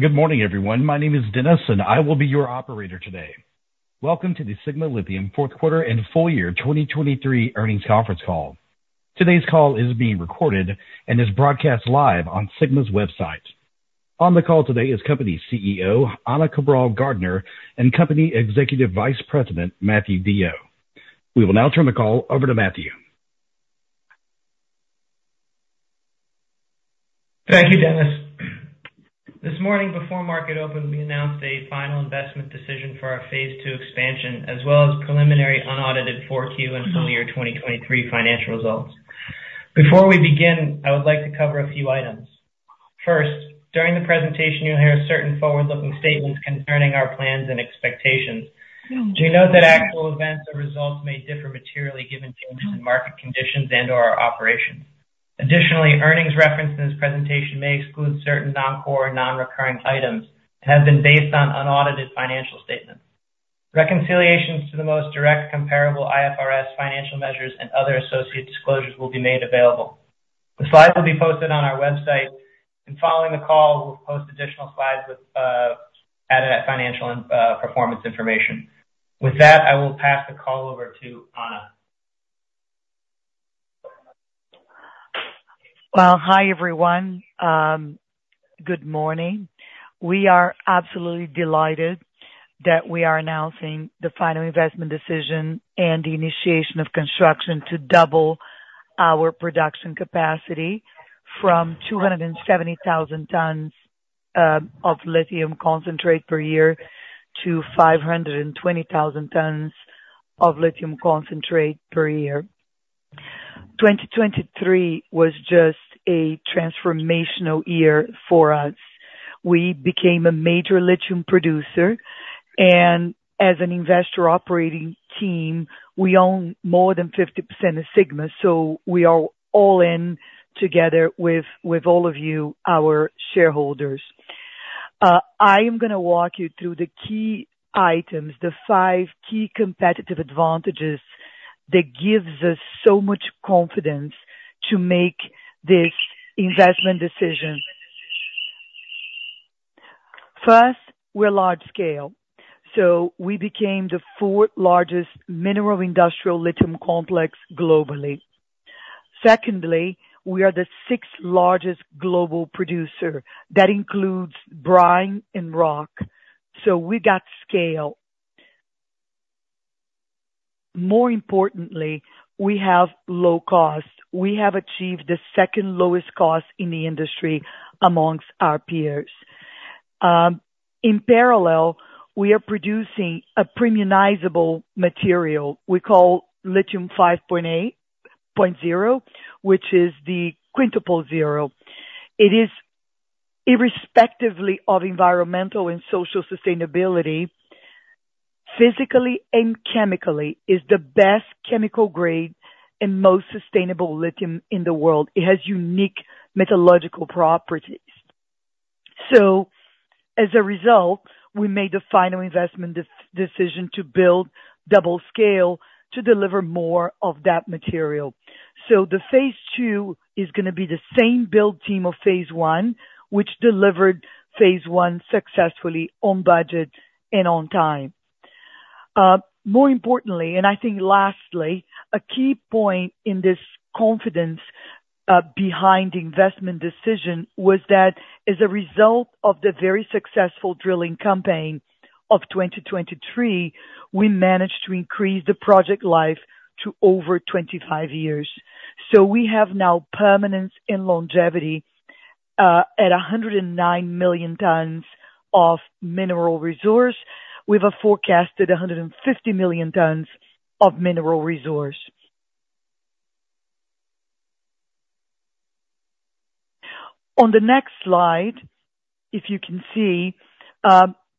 Good morning, everyone. My name is Dennis, and I will be your operator today. Welcome to the Sigma Lithium fourth quarter and full year 2023 earnings conference call. Today's call is being recorded and is broadcast live on Sigma's website. On the call today is company CEO, Ana Cabral-Gardner, and Company Executive Vice President, Matthew DeYoe. We will now turn the call over to Matthew. Thank you, Dennis. This morning, before market open, we announced a final investment decision for our phase II expansion, as well as preliminary unaudited Q4 and full year 2023 financial results. Before we begin, I would like to cover a few items. First, during the presentation, you'll hear certain forward-looking statements concerning our plans and expectations. Do note that actual events or results may differ materially, given changes in market conditions and/or our operations. Additionally, earnings referenced in this presentation may exclude certain non-core and non-recurring items and have been based on unaudited financial statements. Reconciliations to the most direct comparable IFRS financial measures and other associated disclosures will be made available. The slides will be posted on our website, and following the call, we'll post additional slides with added financial and performance information. With that, I will pass the call over to Ana. Well, hi, everyone. Good morning. We are absolutely delighted that we are announcing the final investment decision and the initiation of construction to double our production capacity from 270,000 tons of lithium concentrate per year to 520,000 tons of lithium concentrate per year. 2023 was just a transformational year for us. We became a major lithium producer, and as an investor operating team, we own more than 50% of Sigma, so we are all in together with, with all of you, our shareholders. I am gonna walk you through the key items, the five key competitive advantages that gives us so much confidence to make this investment decision. First, we're large scale, so we became the fourth largest mineral industrial lithium complex globally. Secondly, we are the sixth largest global producer. That includes brine and rock, so we got scale. More importantly, we have low cost. We have achieved the second lowest cost in the industry amongst our peers. In parallel, we are producing a premiumizable material we call Lithium 5.0, which is the Quintuple Zero. It is irrespectively of environmental and social sustainability, physically and chemically, is the best chemical grade and most sustainable lithium in the world. It has unique metallurgical properties. So as a result, we made the final investment decision to build double scale to deliver more of that material. So the phase II is gonna be the same build team of phase I, which delivered phase I successfully on budget and on time. More importantly, and I think lastly, a key point in this confidence behind the investment decision was that as a result of the very successful drilling campaign of 2023, we managed to increase the project life to over 25 years. So we have now permanence and longevity at 109 million tons of Mineral Resource. We've forecasted 150 million tons of Mineral Resource. On the next slide, if you can see,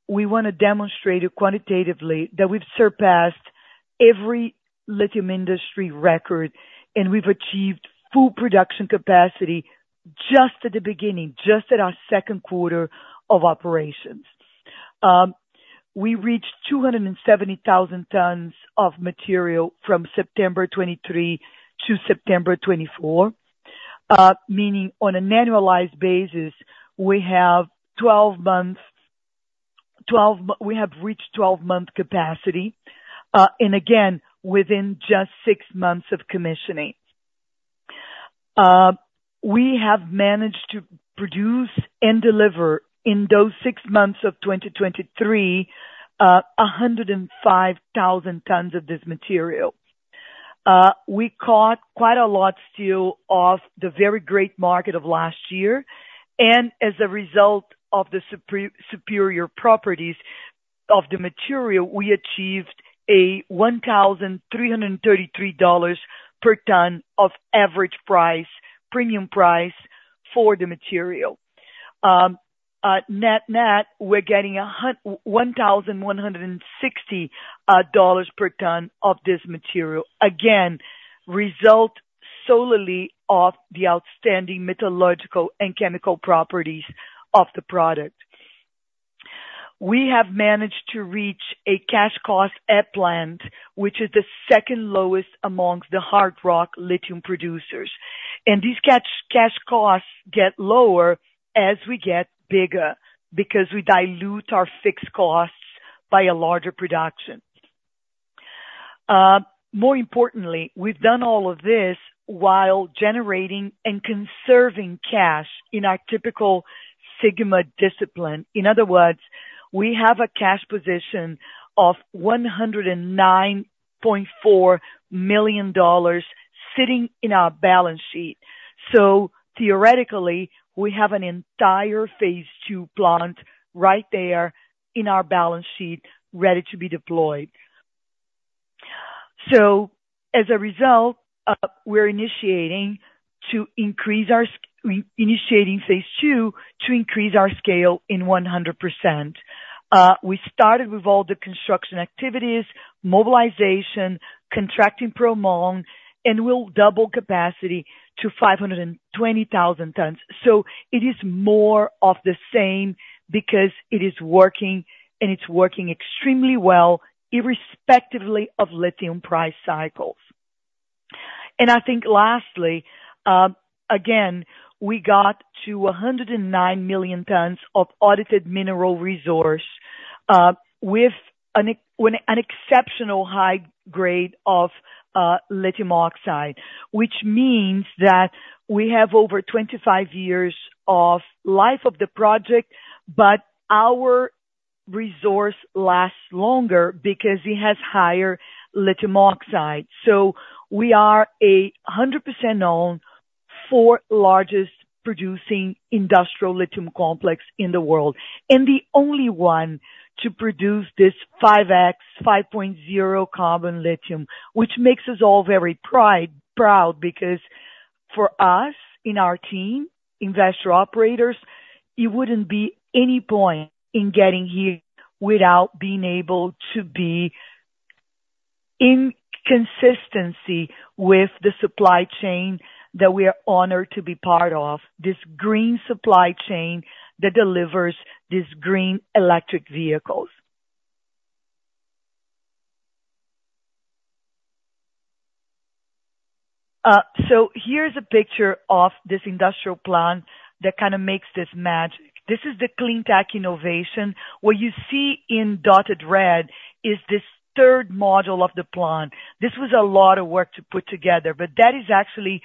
we want to demonstrate quantitatively that we've surpassed every lithium industry record, and we've achieved full production capacity just at the beginning, just at our second quarter of operations. We reached 270,000 tons of material from September 2023 to September 2024, meaning on an annualized basis, we have 12 months, we have reached 12-month capacity, and again, within just 6 months of commissioning. We have managed to produce and deliver, in those 6 months of 2023, 105,000 tons of this material. We caught quite a lot still of the very great market of last year, and as a result of the superior properties of the material, we achieved a $1,333 per ton average price, premium price for the material. At net net, we're getting a $1,160 per ton of this material. Again, result solely of the outstanding metallurgical and chemical properties of the product.... We have managed to reach a cash cost at plant, which is the second lowest among the hard rock lithium producers. And these cash costs get lower as we get bigger, because we dilute our fixed costs by a larger production. More importantly, we've done all of this while generating and conserving cash in our typical Sigma discipline. In other words, we have a cash position of $109.4 million sitting in our balance sheet. So theoretically, we have an entire phase II plant right there in our balance sheet, ready to be deployed. So as a result, we're initiating phase II to increase our scale in 100%. We started with all the construction activities, mobilization, contracting Promon, and we'll double capacity to 520,000 tons. So it is more of the same because it is working, and it's working extremely well, irrespectively of lithium price cycles. And I think lastly, again, we got to 109 million tons of audited Mineral Resource, with an exceptional high grade of lithium oxide. Which means that we have over 25 years of life of the project, but our resource lasts longer because it has higher lithium oxide. So we are 100% owned, four largest producing industrial lithium complex in the world, and the only one to produce this 5X, 5.0 carbon lithium. Which makes us all very proud, because for us, in our team, investor operators, it wouldn't be any point in getting here without being able to be in consistency with the supply chain that we are honored to be part of, this green supply chain that delivers these green electric vehicles. So here's a picture of this industrial plant that kind of makes this magic. This is the Greentech innovation. What you see in dotted red is this third module of the plant. This was a lot of work to put together, but that is actually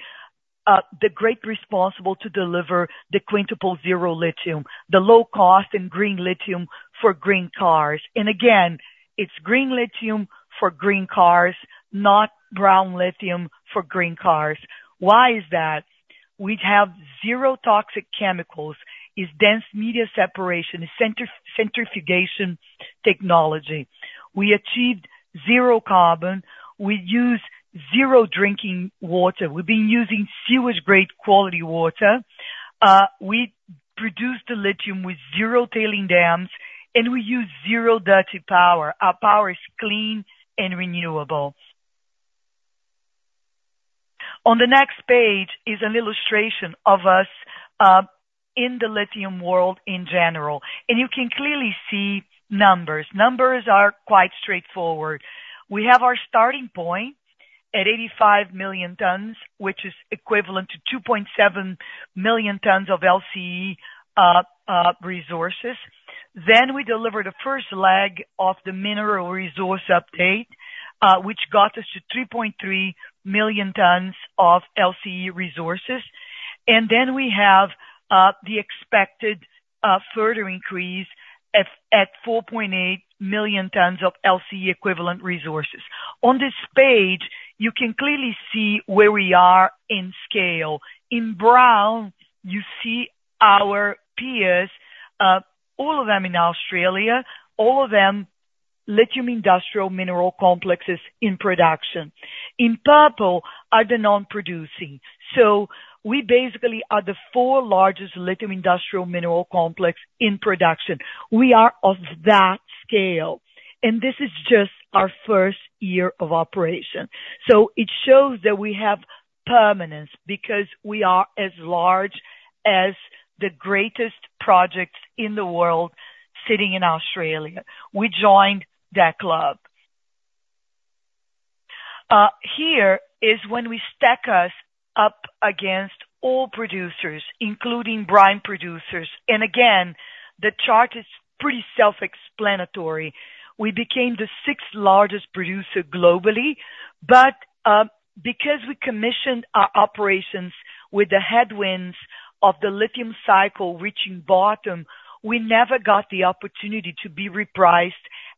the great responsibility to deliver the Quintuple Zero lithium, the low cost and green lithium for green cars. And again, it's green lithium for green cars, not brown lithium for green cars. Why is that? We have zero toxic chemicals, it's Dense Media Separation, centrifugation technology. We achieved zero carbon, we use zero drinking water. We've been using sewage grade quality water. We produced the lithium with zero tailings dams, and we use zero dirty power. Our power is clean and renewable. On the next page is an illustration of us in the lithium world in general, and you can clearly see numbers. Numbers are quite straightforward. We have our starting point at 85 million tons, which is equivalent to 2.7 million tons of LCE resources. Then we deliver the first leg of the Mineral Resource update, which got us to 3.3 million tons of LCE resources. And then we have the expected further increase at 4.8 million tons of LCE equivalent resources. On this page, you can clearly see where we are in scale. In brown, you see our peers, all of them in Australia, all of them lithium industrial mineral complexes in production. In purple are the non-producing. So we basically are the four largest lithium industrial mineral complex in production. We are of that scale, and this is just our first year of operation. So it shows that we have permanence, because we are as large as the greatest projects in the world sitting in Australia. We joined that club. Here is when we stack us up against all producers, including brine producers. And again, the chart is pretty self-explanatory. We became the sixth largest producer globally, but, because we commissioned our operations with the headwinds of the lithium cycle reaching bottom, we never got the opportunity to be repriced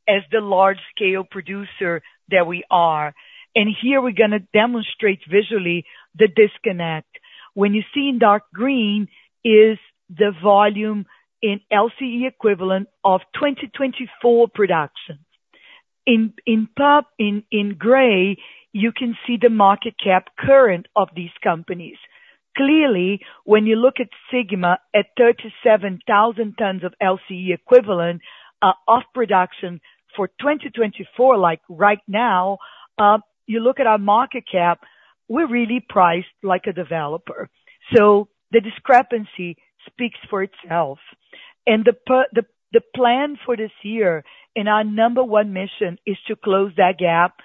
as the large scale producer that we are. And here we're gonna demonstrate visually the disconnect. When you see in dark green is the volume in LCE equivalent of 2024 production. In purple, in gray, you can see the market cap current of these companies. Clearly, when you look at Sigma at 37,000 tons of LCE equivalent of production for 2024, like right now, you look at our market cap. We're really priced like a developer, so the discrepancy speaks for itself. And the plan for this year, and our number one mission, is to close that gap,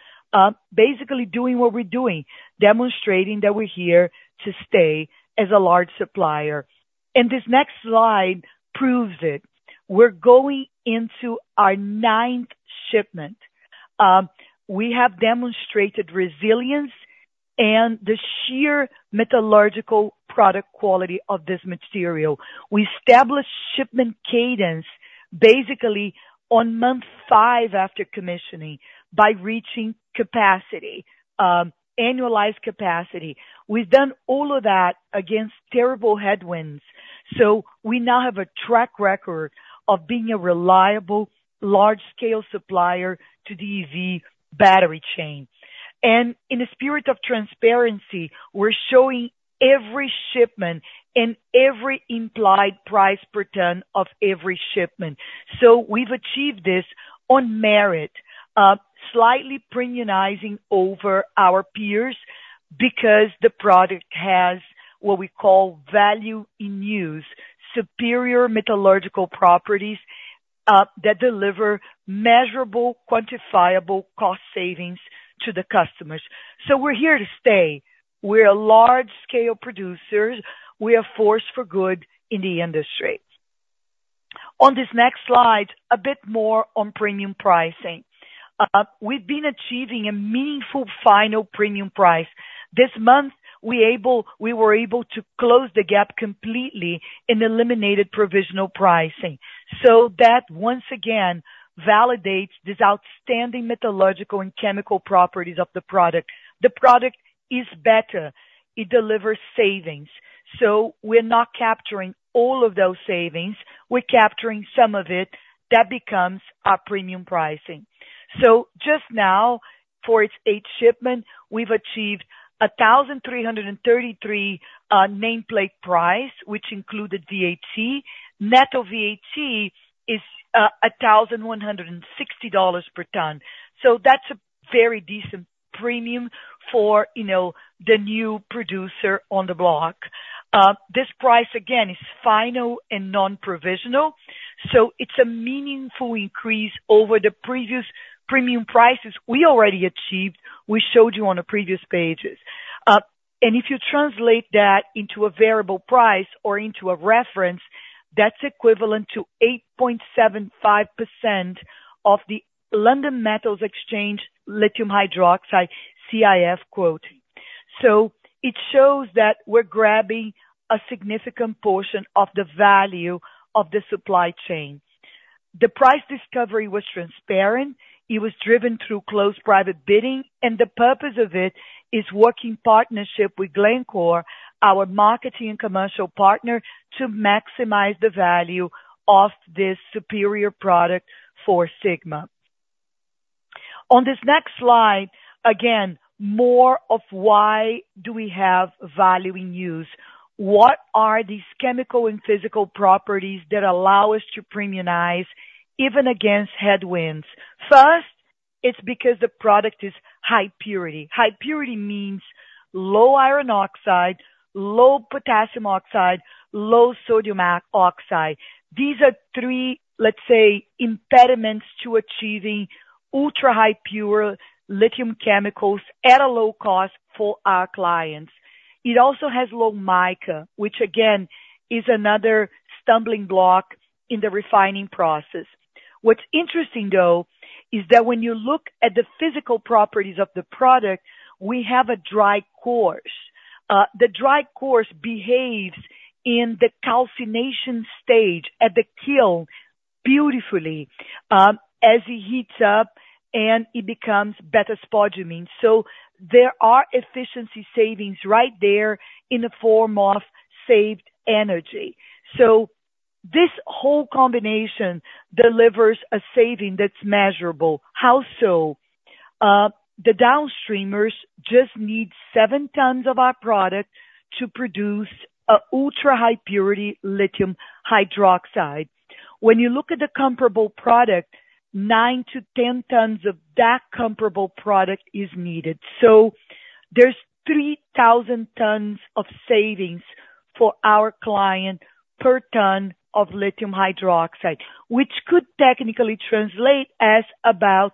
basically doing what we're doing, demonstrating that we're here to stay as a large supplier. And this next slide proves it. We're going into our ninth shipment. We have demonstrated resilience and the sheer metallurgical product quality of this material. We established shipment cadence basically on month five after commissioning, by reaching capacity, annualized capacity. We've done all of that against terrible headwinds. So we now have a track record of being a reliable, large-scale supplier to the EV battery chain. And in a spirit of transparency, we're showing every shipment and every implied price per ton of every shipment. So we've achieved this on merit, slightly premiumizing over our peers because the product has what we call value in use, superior metallurgical properties that deliver measurable, quantifiable cost savings to the customers. So we're here to stay. We're a large scale producer. We're a force for good in the industry. On this next slide, a bit more on premium pricing. We've been achieving a meaningful final premium price. This month, we were able to close the gap completely and eliminated provisional pricing. So that, once again, validates this outstanding metallurgical and chemical properties of the product. The product is better. It delivers savings. So we're not capturing all of those savings, we're capturing some of it. That becomes our premium pricing. So just now, for its eight shipment, we've achieved 1,333 nameplate price, which included VAT. Net of VAT is a $1,160 per ton. So that's a very decent premium for, you know, the new producer on the block. This price, again, is final and non-provisional, so it's a meaningful increase over the previous premium prices we already achieved, we showed you on the previous pages. And if you translate that into a variable price or into a reference, that's equivalent to 8.75% of the London Metal Exchange lithium hydroxide CIF quote. So it shows that we're grabbing a significant portion of the value of the supply chain. The price discovery was transparent. It was driven through closed private bidding, and the purpose of it is working partnership with Glencore, our marketing and commercial partner, to maximize the value of this superior product for Sigma. On this next slide, again, more of why do we have value in use? What are these chemical and physical properties that allow us to premiumize even against headwinds? First, it's because the product is high purity. High purity means low iron oxide, low potassium oxide, low sodium oxide. These are three, let's say, impediments to achieving ultrahigh pure lithium chemicals at a low cost for our clients. It also has low mica, which again, is another stumbling block in the refining process. What's interesting, though, is that when you look at the physical properties of the product, we have a dry coarse. The dry coarse behaves in the calcination stage at the kiln beautifully, as it heats up, and it becomes beta-spodumene. So there are efficiency savings right there in the form of saved energy. So this whole combination delivers a saving that's measurable. How so? The downstreamers just need 7 tons of our product to produce an ultra-high purity lithium hydroxide. When you look at the comparable product, 9-10 tons of that comparable product is needed. So there's 3,000 tons of savings for our client per ton of lithium hydroxide, which could technically translate as about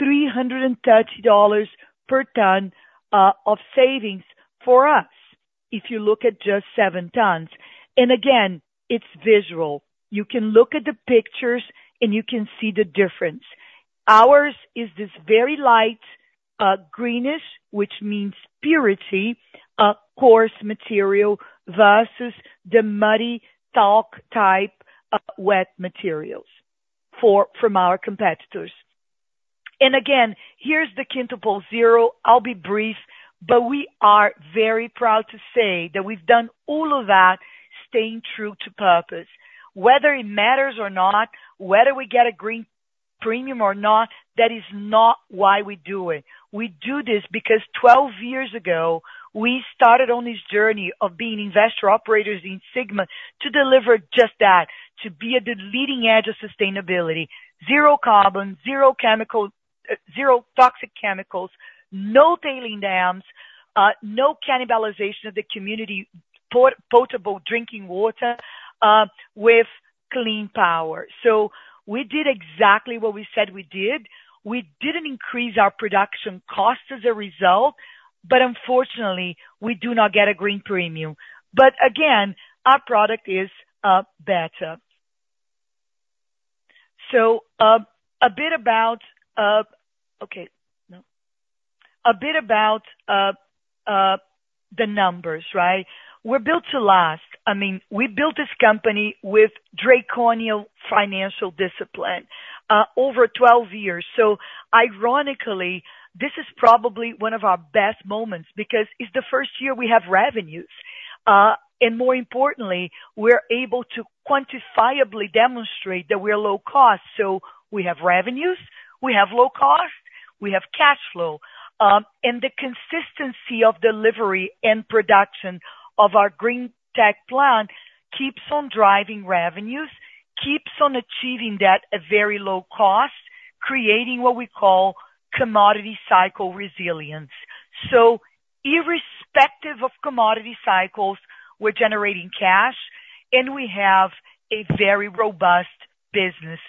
$330 per ton of savings for us, if you look at just 7 tons. And again, it's visual. You can look at the pictures, and you can see the difference. Ours is this very light, greenish, which means purity, coarse material versus the muddy talc type of wet materials from our competitors. Again, here's the Quintuple Zero. I'll be brief, but we are very proud to say that we've done all of that, staying true to purpose. Whether it matters or not, whether we get a green premium or not, that is not why we do it. We do this because 12 years ago we started on this journey of being investor operators in Sigma to deliver just that, to be at the leading edge of sustainability. Zero carbon, zero chemical, zero toxic chemicals, no tailings dams, no cannibalization of the community potable drinking water, with clean power. So we did exactly what we said we did. We didn't increase our production costs as a result, but unfortunately, we do not get a green premium. But again, our product is better. So, a bit about the numbers, right? We're built to last. I mean, we built this company with draconian financial discipline over 12 years. So ironically, this is probably one of our best moments because it's the first year we have revenues. And more importantly, we're able to quantifiably demonstrate that we are low cost. So we have revenues, we have low cost, we have cash flow, and the consistency of delivery and production of our Greentech plant keeps on driving revenues, keeps on achieving that at very low cost, creating what we call commodity cycle resilience. So irrespective of commodity cycles, we're generating cash, and we have a very robust business.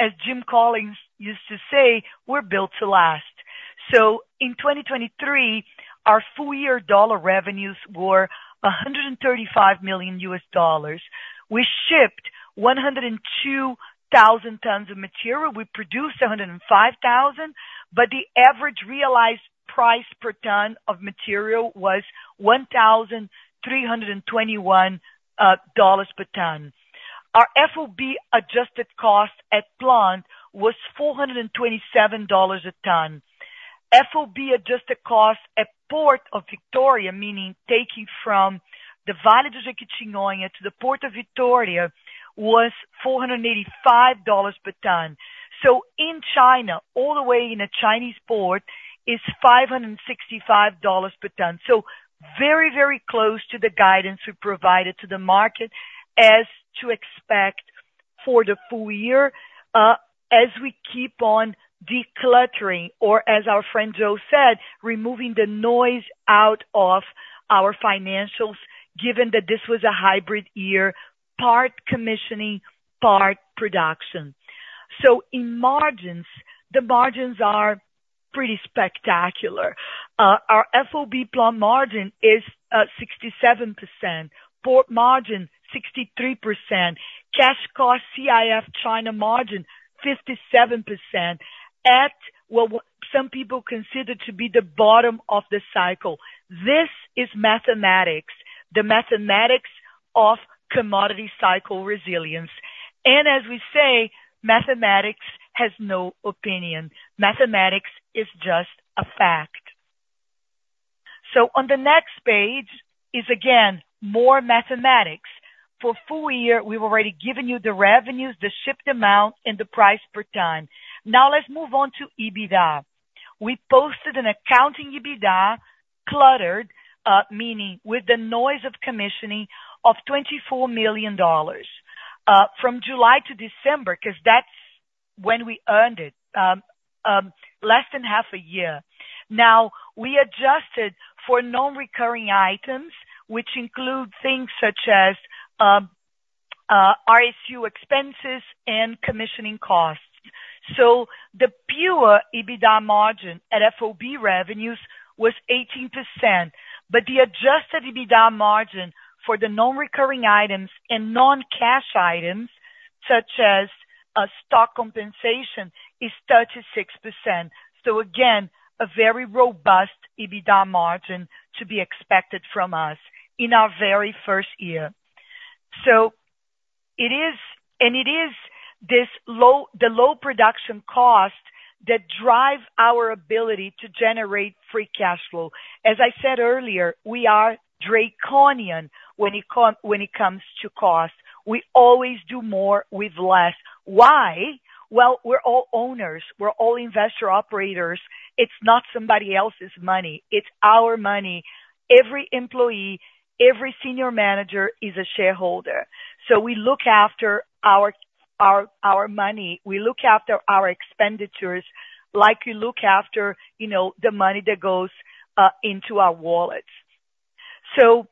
As Jim Collins used to say, "We're built to last." So in 2023, our full year dollar revenues were $135 million. We shipped 102,000 tons of material. We produced 105,000, but the average realized price per ton of material was $1,321 dollars per ton. Our FOB adjusted cost at plant was $427 a ton. FOB adjusted cost at Port of Vitória, meaning taking from the Vale do Jequitinhonha to the Port of Vitória, was $485 per ton. So in China, all the way in a Chinese port, is $565 per ton. So very, very close to the guidance we provided to the market as to expect for the full year, as we keep on decluttering, or as our friend Joe said, "Removing the noise out of our financials," given that this was a hybrid year, part commissioning, part production. So in margins, the margins are pretty spectacular. Our FOB plant margin is 67%, port margin 63%, cash cost CIF China margin 57%, at what some people consider to be the bottom of the cycle. This is mathematics, the mathematics of commodity cycle resilience. And as we say, mathematics has no opinion. Mathematics is just a fact. So on the next page is, again, more mathematics. For full year, we've already given you the revenues, the shipped amount, and the price per ton. Now let's move on to EBITDA. We posted an adjusted EBITDA, cluttered with the noise of commissioning, of $24 million from July to December, because that's when we earned it, less than half a year. Now, we adjusted for non-recurring items, which include things such as RSU expenses and commissioning costs. So the pure EBITDA margin at FOB revenues was 18%, but the adjusted EBITDA margin for the non-recurring items and non-cash items, such as stock compensation, is 36%. So again, a very robust EBITDA margin to be expected from us in our very first year. So it is... And it is this low, the low production cost that drives our ability to generate free cash flow. As I said earlier, we are draconian when it comes to cost. We always do more with less. Why? Well, we're all owners. We're all investor operators. It's not somebody else's money. It's our money. Every employee, every senior manager is a shareholder. So we look after our, our, our money. We look after our expenditures like you look after, you know, the money that goes into our wallets. So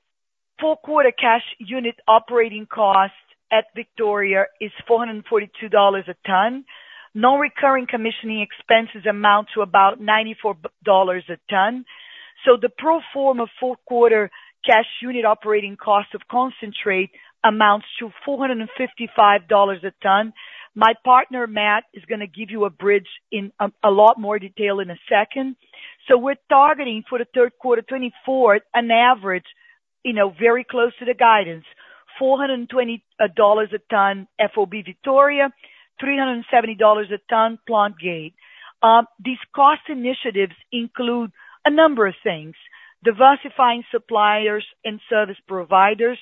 full quarter cash unit operating costs at Vitória is $442 a ton. Non-recurring commissioning expenses amount to about $94 a ton. So the pro forma fourth quarter cash unit operating cost of concentrate amounts to $455 a ton. My partner, Matt, is gonna give you a bridge in a lot more detail in a second. So we're targeting for the third quarter 2024 an average, you know, very close to the guidance, $420 a ton, FOB Vitória, $370 a ton, plant gate. These cost initiatives include a number of things: diversifying suppliers and service providers,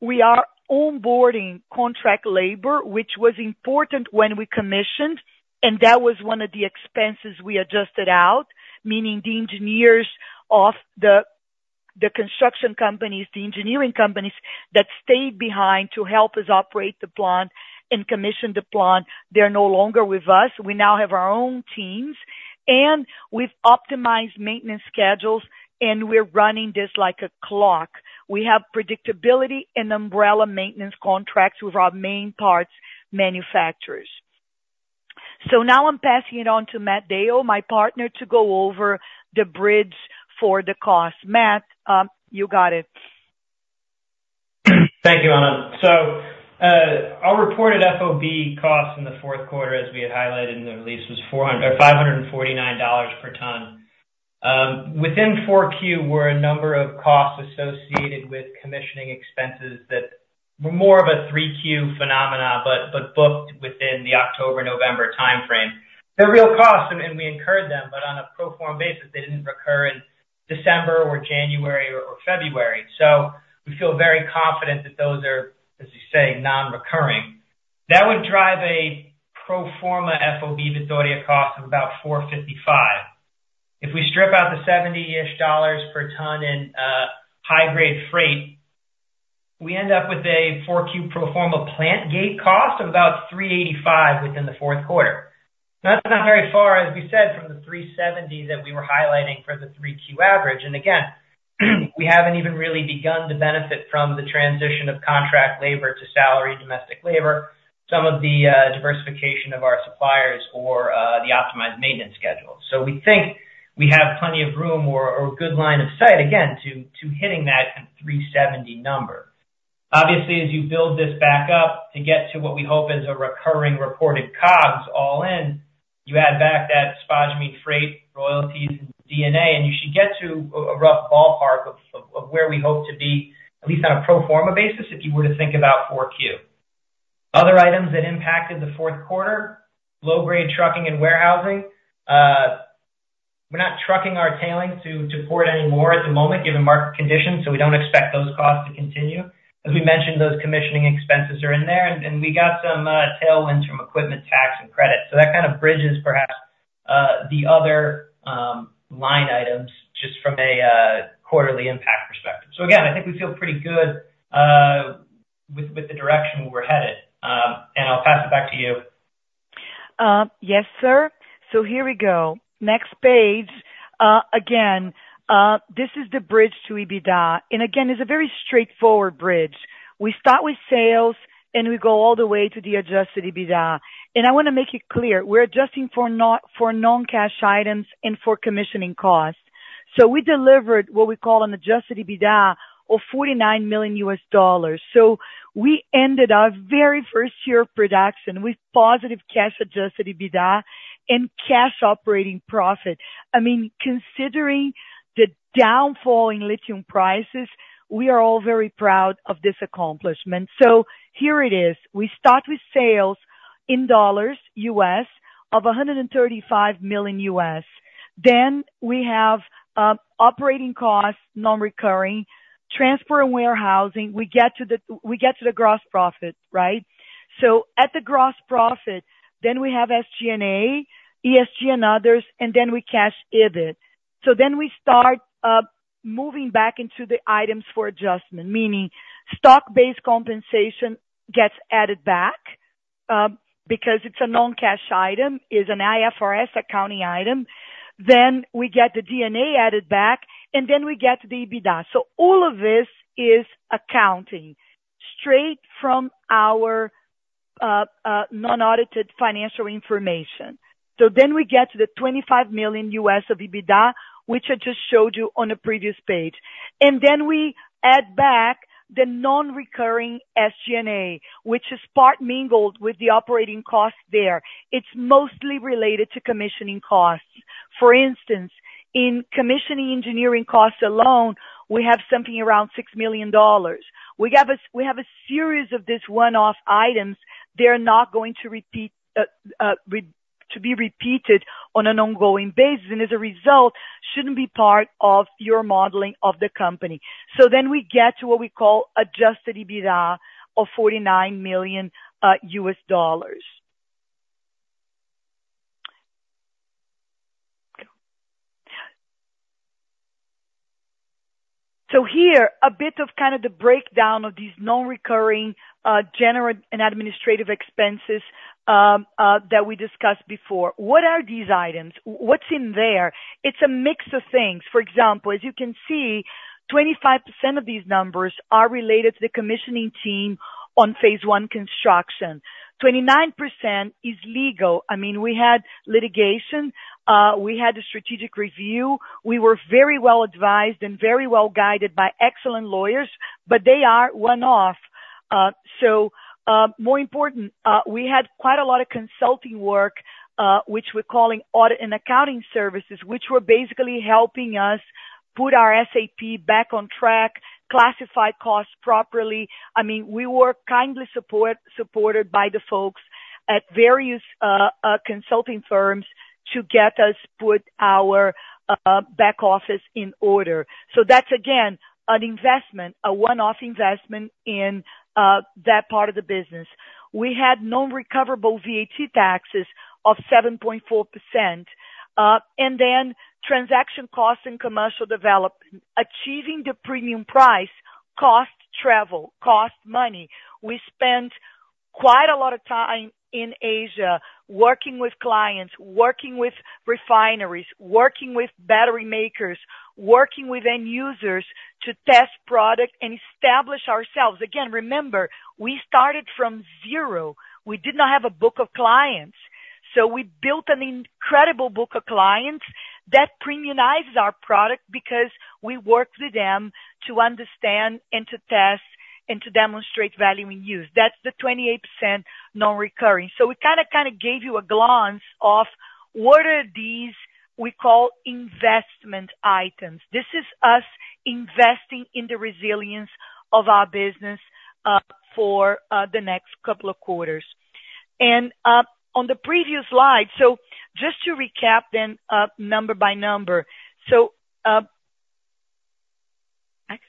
we are onboarding contract labor, which was important when we commissioned, and that was one of the expenses we adjusted out, meaning the engineers of the construction companies, the engineering companies that stayed behind to help us operate the plant and commission the plant, they are no longer with us. We now have our own teams, and we've optimized maintenance schedules, and we're running this like a clock. We have predictability and umbrella maintenance contracts with our main parts manufacturers. So now I'm passing it on to Matt De Yoe, my partner, to go over the bridge for the cost. Matt, you got it. Thank you, Ana. So, our reported FOB costs in the fourth quarter, as we had highlighted in the release, was $549 per ton. Within Q4 were a number of costs associated with commissioning expenses that were more of a Q3 phenomena, but, but booked within the October-November timeframe. The real cost, and, and we incurred them, but on a pro forma basis, they didn't recur in December or January or, or February. So we feel very confident that those are, as you say, non-recurring. That would drive a pro forma FOB Vitória cost of about $455. If we strip out the seventy-ish dollars per ton in high-grade freight, we end up with a Q4 pro forma plant gate cost of about $385 within the fourth quarter. That's not very far, as we said, from the $370 that we were highlighting for the 3Q average. And again, we haven't even really begun to benefit from the transition of contract labor to salaried domestic labor, some of the diversification of our suppliers or the optimized maintenance schedule. So we think we have plenty of room or good line of sight, again, to hitting that $370 number. Obviously, as you build this back up to get to what we hope is a recurring reported COGS all-in, you add back that spodumene freight, royalties, and D&A, and you should get to a rough ballpark of where we hope to be, at least on a pro forma basis, if you were to think about 4Q. Other items that impacted the fourth quarter: low-grade trucking and warehousing. We're not trucking our tailings to port anymore at the moment, given market conditions, so we don't expect those costs to continue. As we mentioned, those commissioning expenses are in there, and we got some tailwinds from equipment tax and credit. So that kind of bridges, perhaps, the other line items just from a quarterly impact perspective. So again, I think we feel pretty good with the direction we're headed. And I'll pass it back to you. Yes, sir. So here we go. Next page. Again, this is the bridge to EBITDA, and again, it's a very straightforward bridge. We start with sales, and we go all the way to the adjusted EBITDA. And I wanna make it clear, we're adjusting for non-cash items and for commissioning costs. So we delivered what we call an adjusted EBITDA of $49 million. So we ended our very first year of production with positive cash-adjusted EBITDA and cash operating profit. I mean, considering the downfall in lithium prices, we are all very proud of this accomplishment. So here it is. We start with sales in US dollars of $135 million. Then we have operating costs, non-recurring, transfer and warehousing. We get to the gross profit, right? So at the gross profit, then we have SG&A, ESG and others, and then we cash EBIT. So then we start moving back into the items for adjustment, meaning stock-based compensation gets added back, because it's a non-cash item, it's an IFRS accounting item. Then we get the D&A added back, and then we get the EBITDA. So all of this is accounting straight from our non-audited financial information. So then we get to the $25 million of EBITDA, which I just showed you on the previous page. And then we add back the non-recurring SG&A, which is part mingled with the operating costs there. It's mostly related to commissioning costs. For instance, in commissioning engineering costs alone, we have something around $6 million. We have a series of these one-off items, they're not going to repeat, to be repeated on an ongoing basis, and as a result, shouldn't be part of your modeling of the company. So then we get to what we call adjusted EBITDA of $49 million. So here, a bit of kind of the breakdown of these non-recurring general and administrative expenses that we discussed before. What are these items? What's in there? It's a mix of things. For example, as you can see, 25% of these numbers are related to the commissioning team on phase I construction. 29% is legal. I mean, we had litigation, we had a strategic review. We were very well advised and very well guided by excellent lawyers, but they are one-off. So, more important, we had quite a lot of consulting work, which we're calling audit and accounting services, which were basically helping us put our SAP back on track, classify costs properly. I mean, we were supported by the folks at various consulting firms to get our back office in order. So that's again, an investment, a one-off investment in that part of the business. We had no recoverable VAT taxes of 7.4%. And then transaction costs and commercial development. Achieving the premium price costs travel, costs money. We spent quite a lot of time in Asia working with clients, working with refineries, working with battery makers, working with end users to test product and establish ourselves. Again, remember, we started from zero. We did not have a book of clients. So we built an incredible book of clients that premiumizes our product because we worked with them to understand and to test and to demonstrate value in use. That's the 28% non-recurring. So we kinda, kinda gave you a glance of what are these we call investment items. This is us investing in the resilience of our business for the next couple of quarters. And on the previous slide, so just to recap then, number by number. So, next.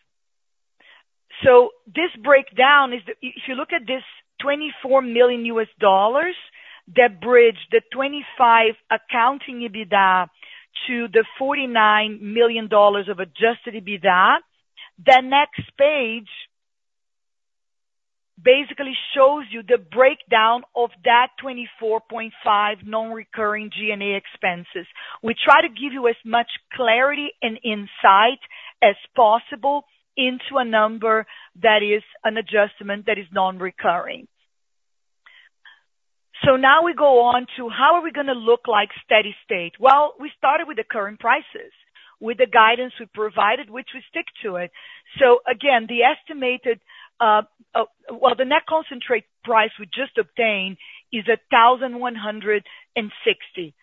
So this breakdown is that if you look at this $24 million, that bridge, the 25 accounting EBITDA to the $49 million of adjusted EBITDA, the next page basically shows you the breakdown of that 24.5 non-recurring G&A expenses. We try to give you as much clarity and insight as possible into a number that is an adjustment that is non-recurring. So now we go on to how are we gonna look like steady state? Well, we started with the current prices, with the guidance we provided, which we stick to it. So again, the estimated, well, the net concentrate price we just obtained is 1,160.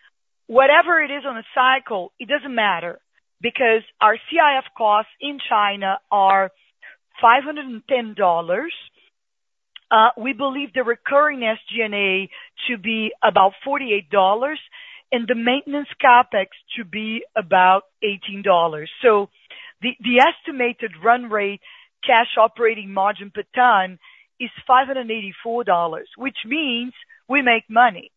Whatever it is on a cycle, it doesn't matter, because our CIF costs in China are $510. We believe the recurring SG&A to be about $48 and the maintenance CapEx to be about $18. So the estimated run rate, cash operating margin per ton is $584, which means we make money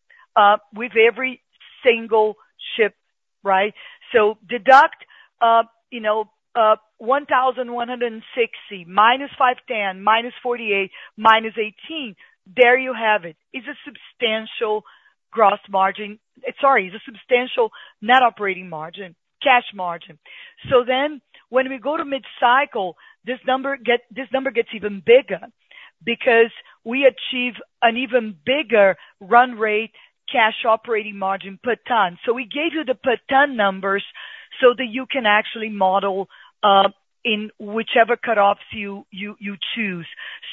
with every single ship, right? So deduct, you know, $1,160 -$510, -$48, -$18. There you have it. It's a substantial gross margin. Sorry, it's a substantial net operating margin, cash margin. So then when we go to mid-cycle, this number gets even bigger because we achieve an even bigger run rate, cash operating margin per ton. So we gave you the per ton numbers so that you can actually model in whichever cut-offs you choose.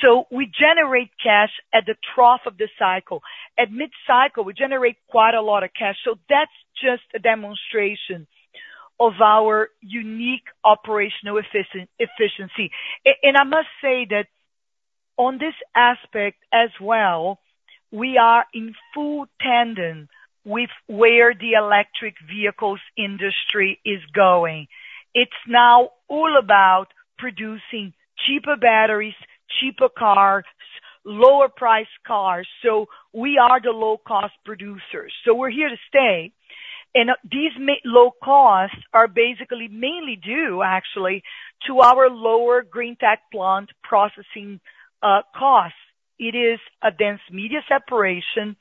So we generate cash at the trough of the cycle. At mid-cycle, we generate quite a lot of cash. So that's just a demonstration of our unique operational efficiency. And I must say that on this aspect as well, we are in full tandem with where the electric vehicles industry is going. It's now all about producing cheaper batteries, cheaper cars, lower priced cars. So we are the low cost producers, so we're here to stay. And, these low costs are basically mainly due actually, to our lower Greentech plant processing costs. It is a dense media separation,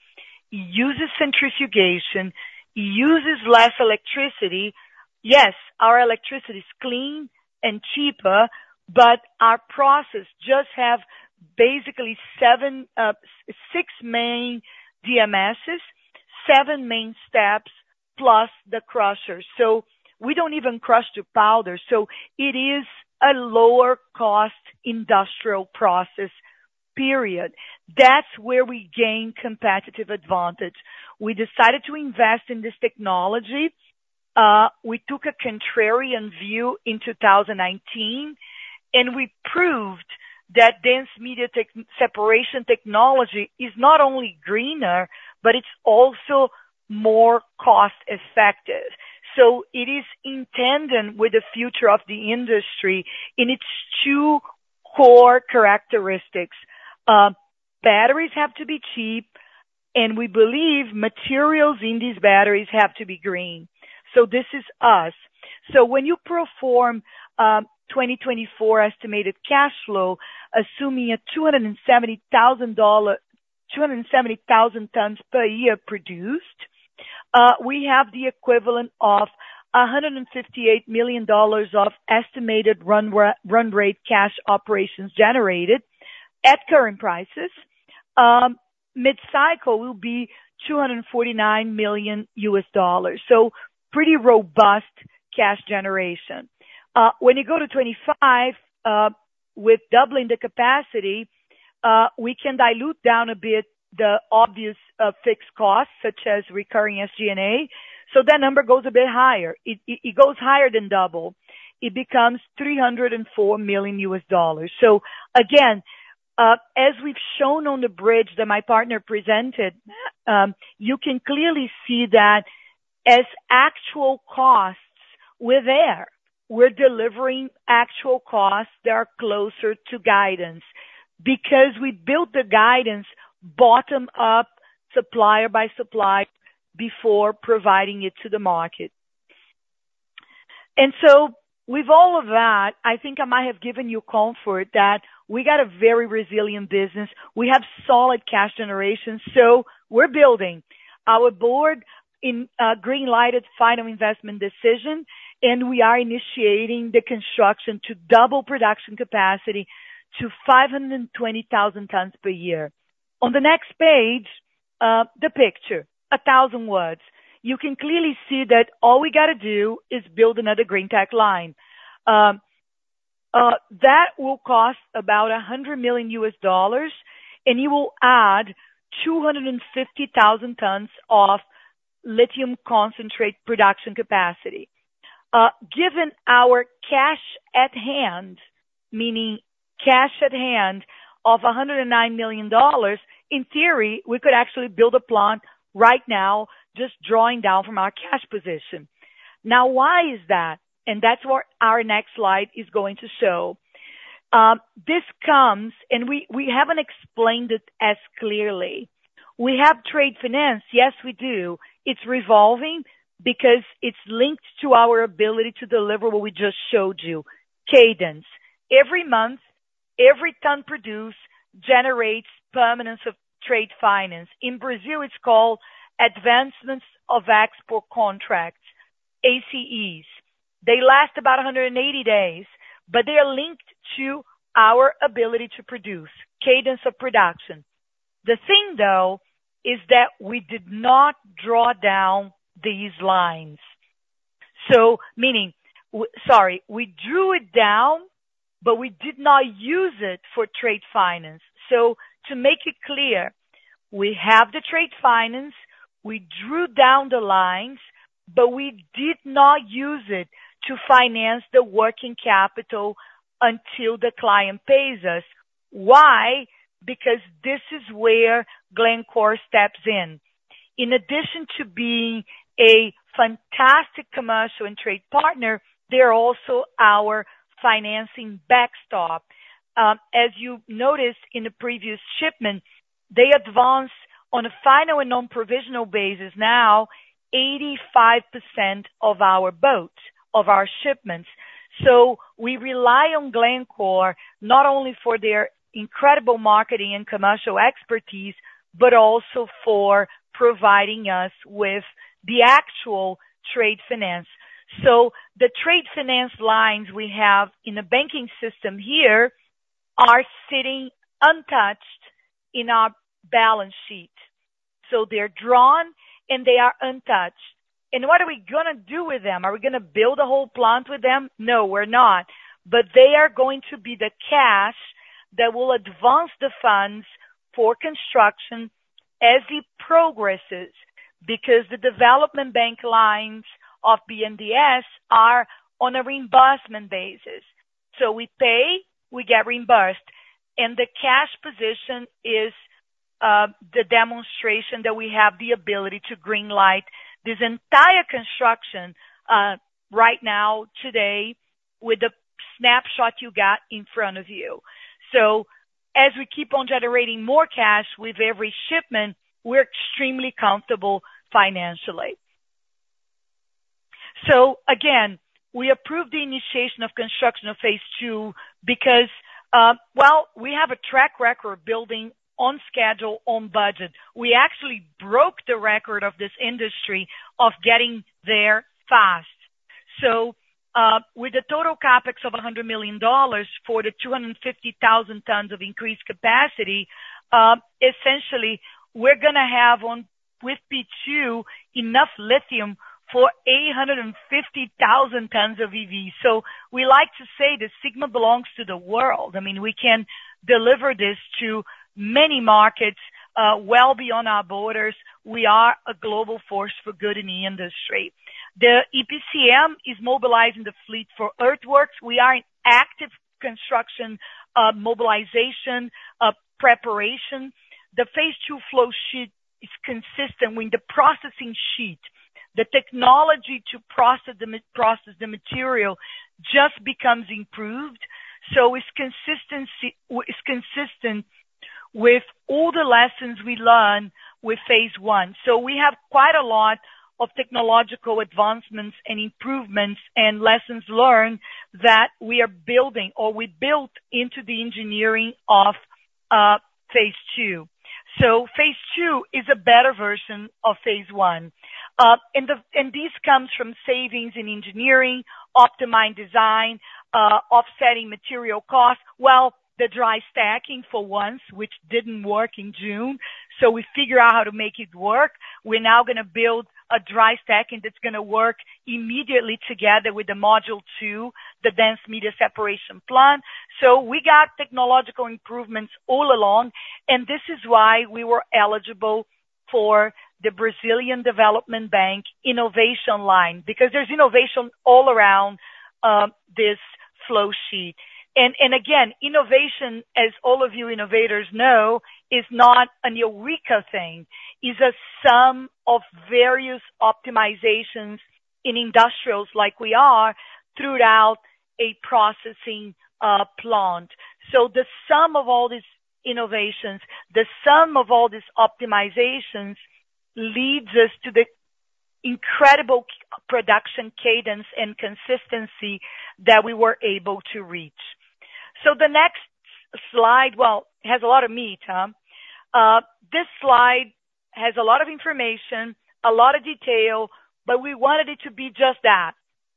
uses centrifugation, uses less electricity. Yes, our electricity is clean and cheaper, but our process just have basically seven, six main DMSs, seven main steps, plus the crusher. So we don't even crush the powder. So it is a lower cost industrial process, period. That's where we gain competitive advantage. We decided to invest in this technology. We took a contrarian view in 2019, and we proved that dense media separation technology is not only greener, but it's also more cost effective. So it is in tandem with the future of the industry in its two core characteristics. Batteries have to be cheap, and we believe materials in these batteries have to be green. So this is us. So when you perform 2024 estimated cash flow, assuming 270,000 tons per year produced, we have the equivalent of $158 million of estimated run rate cash operations generated at current prices. Mid-cycle will be $249 million. So pretty robust cash generation. When you go to 2025, with doubling the capacity, we can dilute down a bit the obvious fixed costs, such as recurring SG&A. So that number goes a bit higher. It, it, it goes higher than double. It becomes $304 million. So again, as we've shown on the bridge that my partner presented, you can clearly see that as actual costs, we're there. We're delivering actual costs that are closer to guidance, because we built the guidance bottom up, supplier by supplier, before providing it to the market. And so with all of that, I think I might have given you comfort that we got a very resilient business. We have solid cash generation, so we're building. Our board green lighted final investment decision, and we are initiating the construction to double production capacity to 520,000 tons per year. On the next page, the picture, a thousand words. You can clearly see that all we got to do is build another Greentech line. That will cost about $100 million, and it will add 250,000 tons of lithium concentrate production capacity. Given our cash at hand, meaning cash at hand of $109 million, in theory, we could actually build a plant right now just drawing down from our cash position. Now, why is that? And that's what our next slide is going to show. This comes, and we, we haven't explained it as clearly. We have trade finance, yes, we do. It's revolving because it's linked to our ability to deliver what we just showed you, cadence. Every month, every ton produced generates permanence of trade finance. In Brazil, it's called advancements of export contracts, ACEs. They last about 180 days, but they are linked to our ability to produce, cadence of production. The thing, though, is that we did not draw down these lines. So, meaning, we drew it down, but we did not use it for trade finance. So to make it clear, we have the trade finance, we drew down the lines, but we did not use it to finance the working capital until the client pays us. Why? Because this is where Glencore steps in. In addition to being a fantastic commercial and trade partner, they are also our financing backstop. As you noticed in the previous shipment, they advanced on a final and non-provisional basis now, 85% of our boats, of our shipments. So we rely on Glencore, not only for their incredible marketing and commercial expertise, but also for providing us with the actual trade finance. So the trade finance lines we have in the banking system here are sitting untouched in our balance sheet. So they're drawn and they are untouched. And what are we gonna do with them? Are we gonna build a whole plant with them? No, we're not. But they are going to be the cash that will advance the funds for construction as it progresses, because the development bank lines of BNDES are on a reimbursement basis. So we pay, we get reimbursed, and the cash position is the demonstration that we have the ability to green light this entire construction, right now, today, with the snapshot you got in front of you. So as we keep on generating more cash with every shipment, we're extremely comfortable financially. So again, we approved the initiation of construction of phase II because, well, we have a track record of building on schedule, on budget. We actually broke the record of this industry of getting there fast. So, with a total CapEx of $100 million for the 250,000 tons of increased capacity, essentially, we're gonna have on, with P2, enough lithium for 850,000 tons of EV. So we like to say that Sigma belongs to the world. I mean, we can deliver this to many markets, well beyond our borders. We are a global force for good in the industry. The EPCM is mobilizing the fleet for earthworks. We are in active construction, mobilization, preparation. The phase II flow sheet is consistent with the processing sheet. The technology to process the material just becomes improved, so its consistency, it's consistent with all the lessons we learned with phase I. So we have quite a lot of technological advancements and improvements and lessons learned that we are building or we built into the engineering of phase II. So phase II is a better version of phase I. And this comes from savings in engineering, optimized design, offsetting material costs. Well, the Dry Stacking for once, which didn't work in June, so we figure out how to make it work. We're now gonna build a Dry Stacking that's gonna work immediately together with the module two, the Dense Media Separation plant. So we got technological improvements all along, and this is why we were eligible for the Brazilian Development Bank Innovation Line, because there's innovation all around, this... flow sheet. And again, innovation, as all of you innovators know, is not an eureka thing. It's a sum of various optimizations in industrials like we are throughout a processing plant. So the sum of all these innovations, the sum of all these optimizations, leads us to the incredible consistent production cadence and consistency that we were able to reach. So the next slide, well, it has a lot of meat, huh? This slide has a lot of information, a lot of detail, but we wanted it to be just that.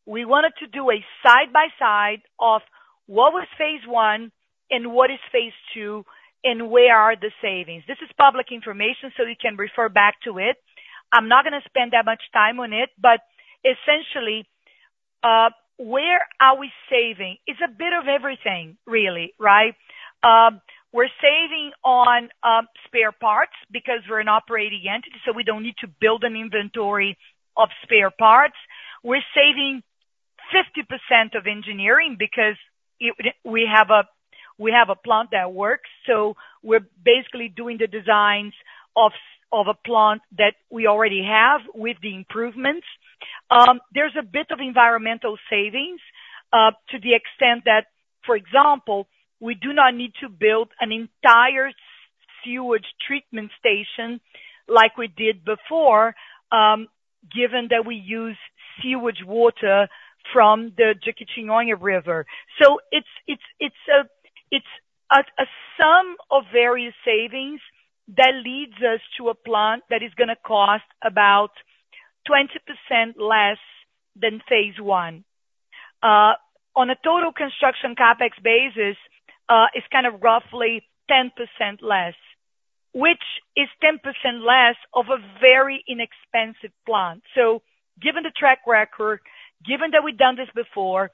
We wanted to do a side-by-side of what was phase I and what is phase II, and where are the savings. This is public information, so you can refer back to it. I'm not gonna spend that much time on it, but essentially, where are we saving? It's a bit of everything really, right? We're saving on spare parts because we're an operating entity, so we don't need to build an inventory of spare parts. We're saving 50% of engineering because we have a plant that works, so we're basically doing the designs of a plant that we already have with the improvements. There's a bit of environmental savings to the extent that, for example, we do not need to build an entire sewage treatment station like we did before, given that we use sewage water from the Jequitinhonha River. So it's a sum of various savings that leads us to a plant that is gonna cost about 20% less than phase I. On a total construction CapEx basis, it's kind of roughly 10% less, which is 10% less of a very inexpensive plant. So given the track record, given that we've done this before,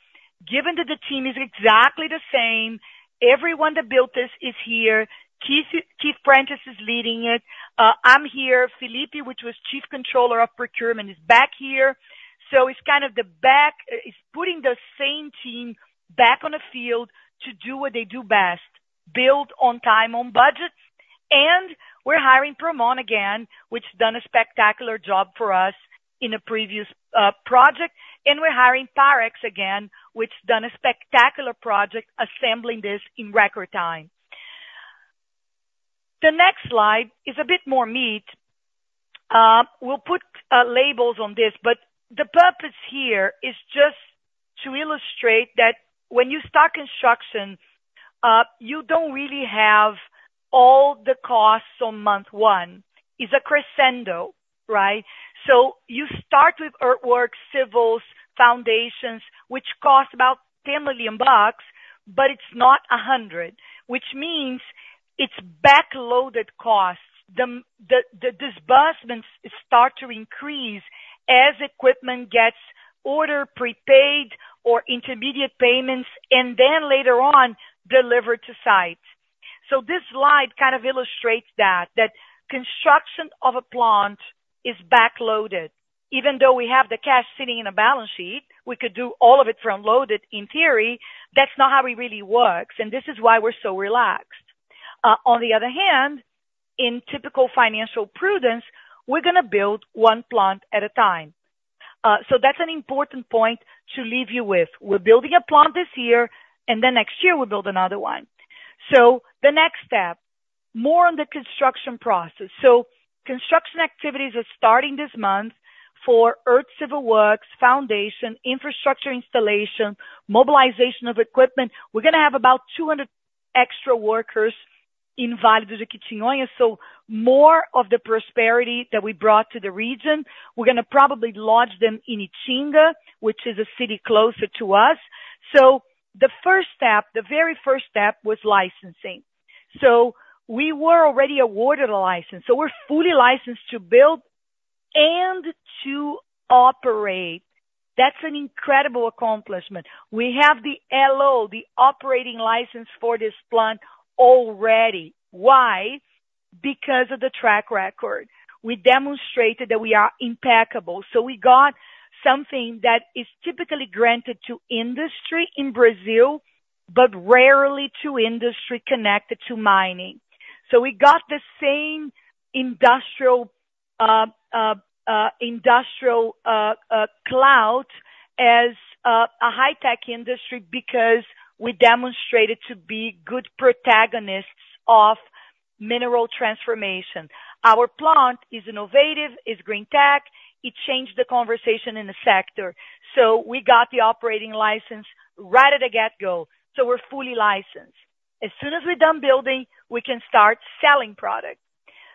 given that the team is exactly the same, everyone that built this is here. Keith, Keith Prentice is leading it. I'm here. Felipe, which was chief controller of procurement, is back here. So it's putting the same team back on the field to do what they do best, build on time, on budgets. And we're hiring Promon again, which done a spectacular job for us in a previous project. And we're hiring Primero again, which done a spectacular project assembling this in record time. The next slide is a bit more meat. We'll put labels on this, but the purpose here is just to illustrate that when you start construction, you don't really have all the costs on month one. It's a crescendo, right? So you start with earthwork, civils, foundations, which cost about $10 million, but it's not 100, which means it's back-loaded costs. The disbursements start to increase as equipment gets order, prepaid or intermediate payments, and then later on, delivered to site. So this slide kind of illustrates that construction of a plant is backloaded. Even though we have the cash sitting in a balance sheet, we could do all of it front loaded in theory. That's not how it really works, and this is why we're so relaxed. On the other hand, in typical financial prudence, we're gonna build one plant at a time. So that's an important point to leave you with. We're building a plant this year, and then next year we'll build another one. So the next step, more on the construction process. So construction activities are starting this month for earth civil works, foundation, infrastructure installation, mobilization of equipment. We're gonna have about 200 extra workers in Vale do Jequitinhonha. So more of the prosperity that we brought to the region, we're gonna probably lodge them in Itinga, which is a city closer to us. So the first step, the very first step, was licensing. So we were already awarded a license, so we're fully licensed to build and to operate. That's an incredible accomplishment. We have the LO, the operating license for this plant already. Why? Because of the track record. We demonstrated that we are impeccable, so we got something that is typically granted to industry in Brazil, but rarely to industry connected to mining. So we got the same industrial cloud as a high-tech industry because we demonstrated to be good protagonists of mineral transformation. Our plant is innovative, it's Greentech, it changed the conversation in the sector. So we got the operating license right at the get-go, so we're fully licensed. As soon as we're done building, we can start selling product.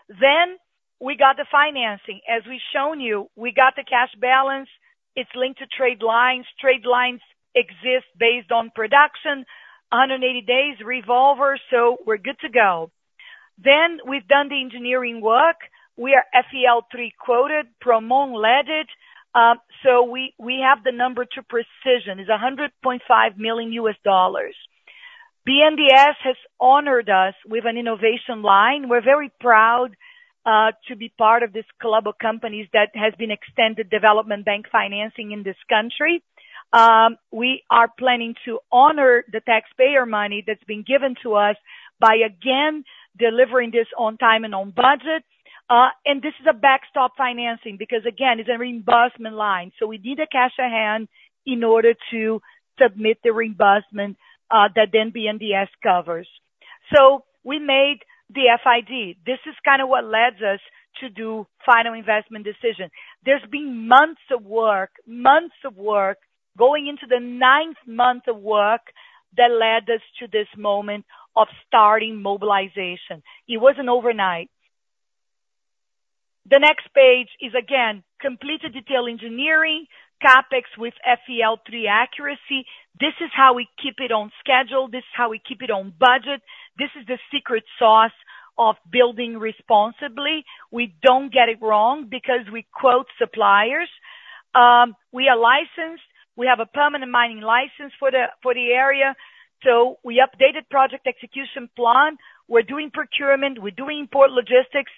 Then we got the financing. As we've shown you, we got the cash balance. It's linked to trade lines. Trade lines exist based on production, 180 days revolver, so we're good to go. Then we've done the engineering work. We are FEL3 quoted, Promon led it. So we have the number to precision. It's $100.5 million. BNDES honored us with an innovation line. We're very proud to be part of this club of companies that has been extended development bank financing in this country. We are planning to honor the taxpayer money that's been given to us by, again, delivering this on time and on budget. And this is a backstop financing because, again, it's a reimbursement line, so we need the cash at hand in order to submit the reimbursement that then BNDES covers. So we made the FID. This is kind of what led us to do final investment decision. There's been months of work, months of work, going into the ninth month of work that led us to this moment of starting mobilization. It wasn't overnight. The next page is, again, completed detailed engineering, CapEx with FEL-3 accuracy. This is how we keep it on schedule, this is how we keep it on budget. This is the secret sauce of building responsibly. We don't get it wrong because we quote suppliers. We are licensed. We have a permanent mining license for the, for the area, so we updated project execution plan. We're doing procurement, we're doing port logistics,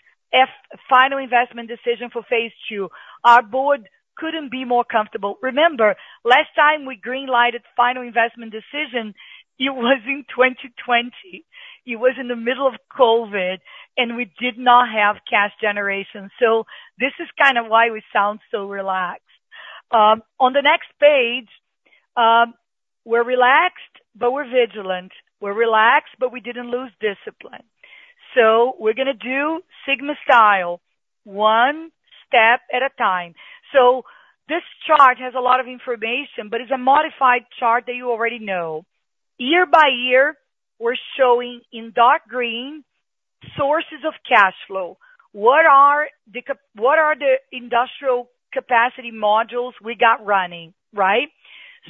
final investment decision for phase II. Our board couldn't be more comfortable. Remember, last time we green lighted final investment decision, it was in 2020. It was in the middle of COVID, and we did not have cash generation. So this is kind of why we sound so relaxed. On the next page, we're relaxed, but we're vigilant. We're relaxed, but we didn't lose discipline. So we're gonna do Sigma style, one step at a time. So this chart has a lot of information, but it's a modified chart that you already know. Year by year, we're showing in dark green sources of cash flow. What are the industrial capacity modules we got running, right?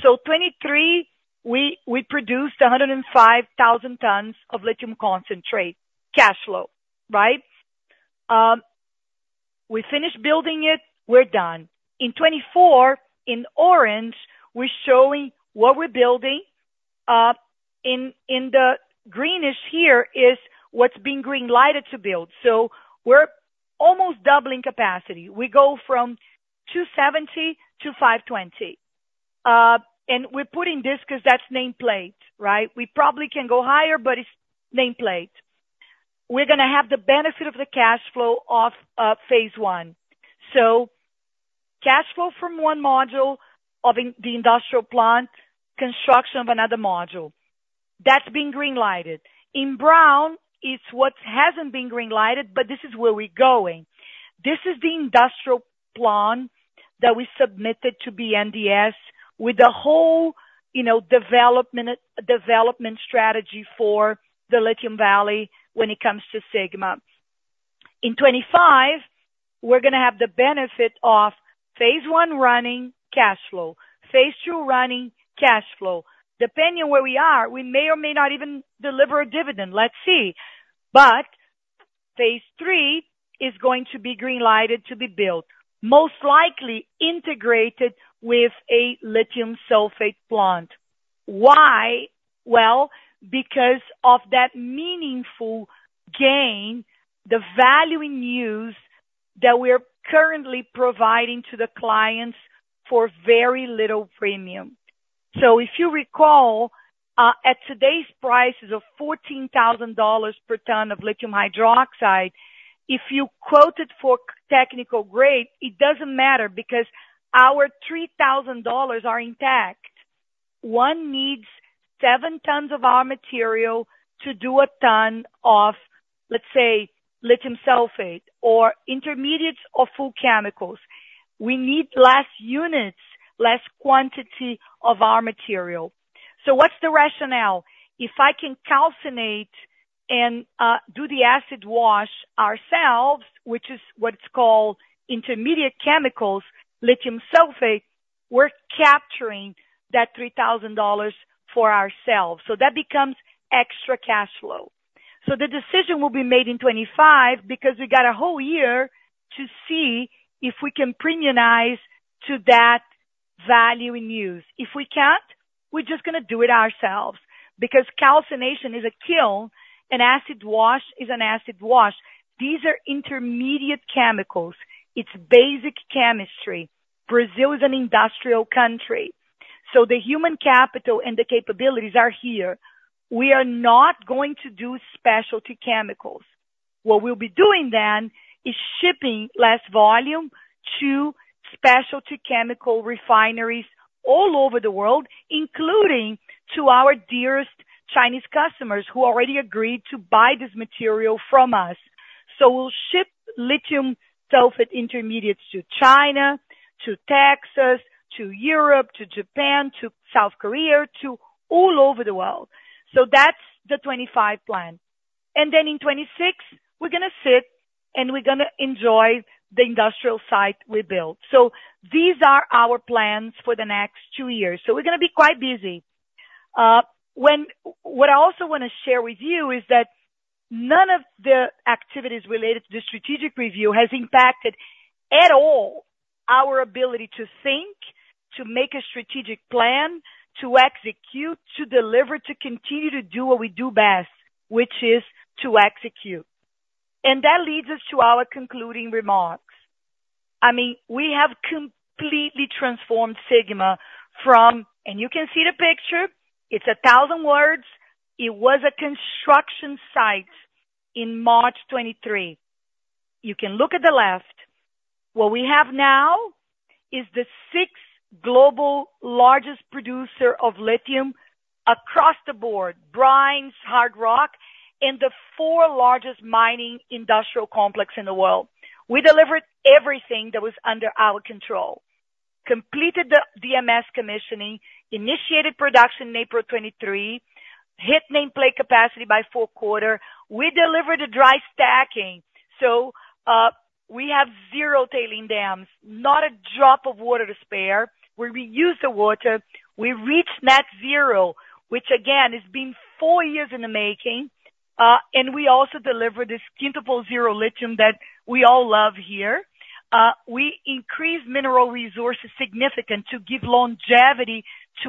So 2023, we produced 105,000 tons of lithium concentrate cash flow, right? We finished building it. We're done. In 2024, in orange, we're showing what we're building. In the greenish here is what's being green lighted to build. So we're almost doubling capacity. We go from 270-520. And we're putting this because that's nameplate, right? We probably can go higher, but it's nameplate. We're gonna have the benefit of the cash flow off phase I. So cash flow from one module of the industrial plant, construction of another module. That's been green lighted. In brown, it's what hasn't been green lighted, but this is where we're going. This is the industrial plan that we submitted to BNDES with the whole, you know, development, development strategy for the Lithium Valley when it comes to Sigma. In 2025, we're gonna have the benefit of phase I, running cash flow. Phase II, running cash flow. Depending on where we are, we may or may not even deliver a dividend. Let's see. But phase III is going to be green lighted to be built, most likely integrated with a lithium sulfate plant. Why? Well, because of that meaningful gain, the value in use that we are currently providing to the clients for very little premium. So if you recall, at today's prices of $14,000 per ton of lithium hydroxide, if you quote it for technical grade, it doesn't matter, because our $3,000 are intact. One needs 7 tons of our material to do a ton of, let's say, lithium sulfate or intermediates or full chemicals. We need less units, less quantity of our material. So what's the rationale? If I can calciner and do the acid wash ourselves, which is what's called intermediate chemicals, lithium sulfate, we're capturing that $3,000 for ourselves, so that becomes extra cash flow. So the decision will be made in 2025, because we got a whole year to see if we can premiumize to that value in use. If we can't, we're just gonna do it ourselves, because calcination is a kiln, an acid wash is an acid wash. These are intermediate chemicals. It's basic chemistry. Brazil is an industrial country, so the human capital and the capabilities are here. We are not going to do specialty chemicals. What we'll be doing then is shipping less volume to specialty chemical refineries all over the world, including to our dearest Chinese customers, who already agreed to buy this material from us. So we'll ship Lithium Sulfate intermediates to China, to Texas, to Europe, to Japan, to South Korea, to all over the world. So that's the 2025 plan. And then in 2026, we're gonna sit and we're gonna enjoy the industrial site we built. So these are our plans for the next two years. So we're gonna be quite busy. What I also wanna share with you is that none of the activities related to the strategic review has impacted at all our ability to think, to make a strategic plan, to execute, to deliver, to continue to do what we do best, which is to execute. And that leads us to our concluding remarks. I mean, we have completely transformed Sigma from and you can see the picture. It's a thousand words. It was a construction site in March 2023. You can look at the left. What we have now is the sixth global largest producer of lithium across the board, brines, hard rock, and the four largest mining industrial complex in the world. We delivered everything that was under our control, completed the DMS commissioning, initiated production in April 2023, hit nameplate capacity by fourth quarter. We delivered a dry stacking, so we have zero tailing dams, not a drop of water to spare. We reuse the water. We reach net zero, which again, has been four years in the making, and we also deliver this Quintuple Zero lithium that we all love here. We increase mineral resources significant to give longevity to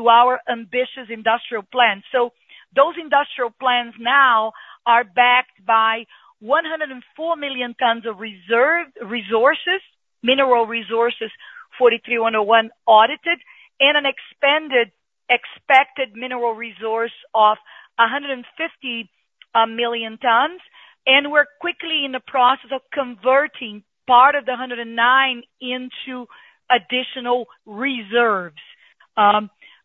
our ambitious industrial plans. So those industrial plans now are backed by 104 million tons of reserve resources, mineral resources, 43-101 audited, and an expanded expected Mineral Resource of 150 million tons. And we're quickly in the process of converting part of the 109 into additional reserves.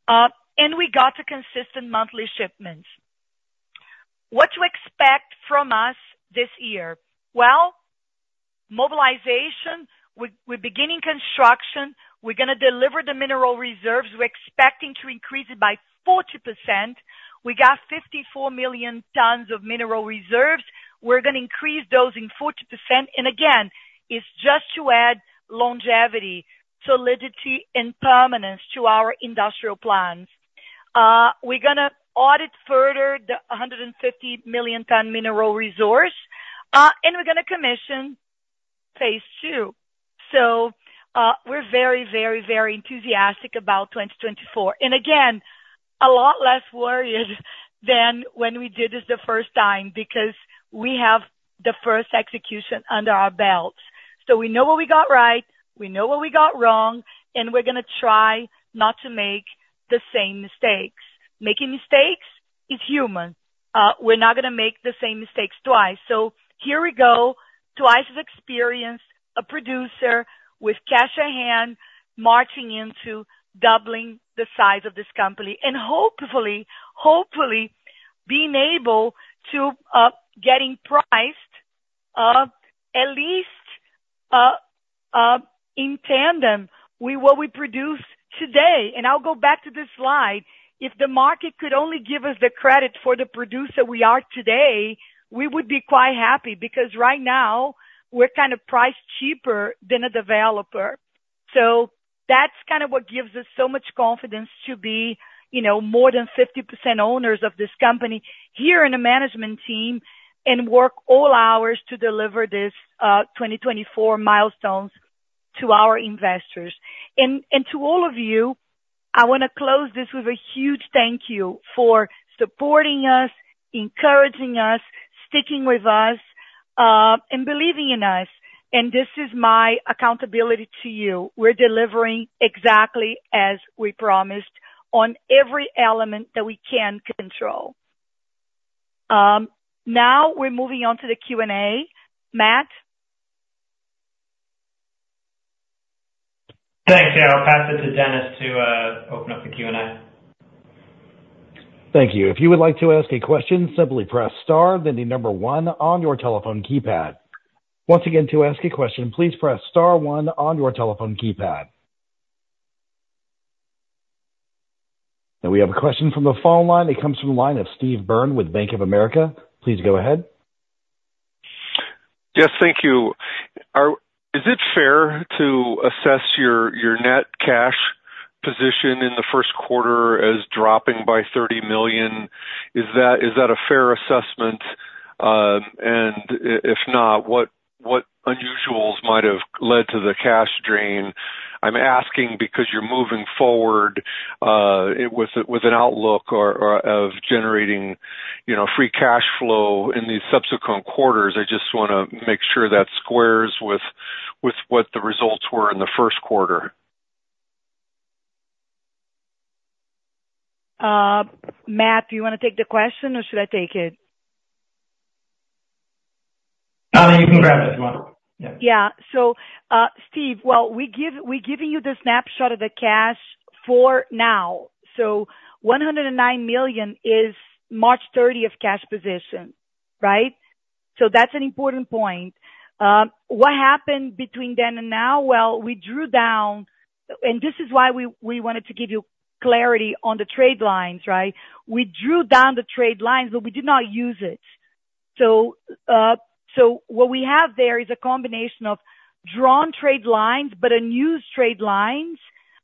And we got to consistent monthly shipments. What to expect from us this year? Well, mobilization. We're beginning construction. We're gonna deliver the Mineral Reserves. We're expecting to increase it by 40%. We got 54 million tons of Mineral Reserves. We're gonna increase those in 40%. And again, it's just to add longevity, solidity and permanence to our industrial plans. We're gonna audit further the 150 million ton Mineral Resource, and we're gonna commission phase II. So, we're very, very, very enthusiastic about 2024. And again, a lot less worried than when we did this the first time, because we have the first execution under our belts. So we know what we got right, we know what we got wrong, and we're gonna try not to make the same mistakes. Making mistakes is human. We're not gonna make the same mistakes twice. So here we go. Twice experienced a producer with cash in hand, marching into doubling the size of this company and hopefully, hopefully being able to getting priced at least in tandem with what we produce today. I'll go back to this slide. If the market could only give us the credit for the producer we are today, we would be quite happy, because right now, we're kind of priced cheaper than a developer. So that's kind of what gives us so much confidence to be, you know, more than 50% owners of this company here in the management team and work all hours to deliver this 2024 milestones to our investors. And to all of you, I wanna close this with a huge thank you for supporting us, encouraging us, sticking with us and believing in us. This is my accountability to you. We're delivering exactly as we promised on every element that we can control. Now we're moving on to the Q&A. Matt? Thanks, yeah. I'll pass it to Dennis to open up the Q&A. Thank you. If you would like to ask a question, simply press star, then the number one on your telephone keypad. Once again, to ask a question, please press star one on your telephone keypad. Now we have a question from the phone line. It comes from the line of Steve Byrne with Bank of America. Please go ahead. Yes, thank you. Is it fair to assess your net cash position in the first quarter as dropping by $30 million? Is that a fair assessment? And if not, what unusuals might have led to the cash drain? I'm asking because you're moving forward with an outlook of generating, you know, free cash flow in these subsequent quarters. I just wanna make sure that squares with what the results were in the first quarter. Matt, do you wanna take the question or should I take it? You can grab it if you want. Yeah. Yeah. So, Steve, well, we give, we're giving you the snapshot of the cash for now. So $109 million is March 30 cash position, right? So that's an important point. What happened between then and now? Well, we drew down, and this is why we wanted to give you clarity on the trade lines, right? We drew down the trade lines, but we did not use it. So, so what we have there is a combination of drawn trade lines, but unused trade lines.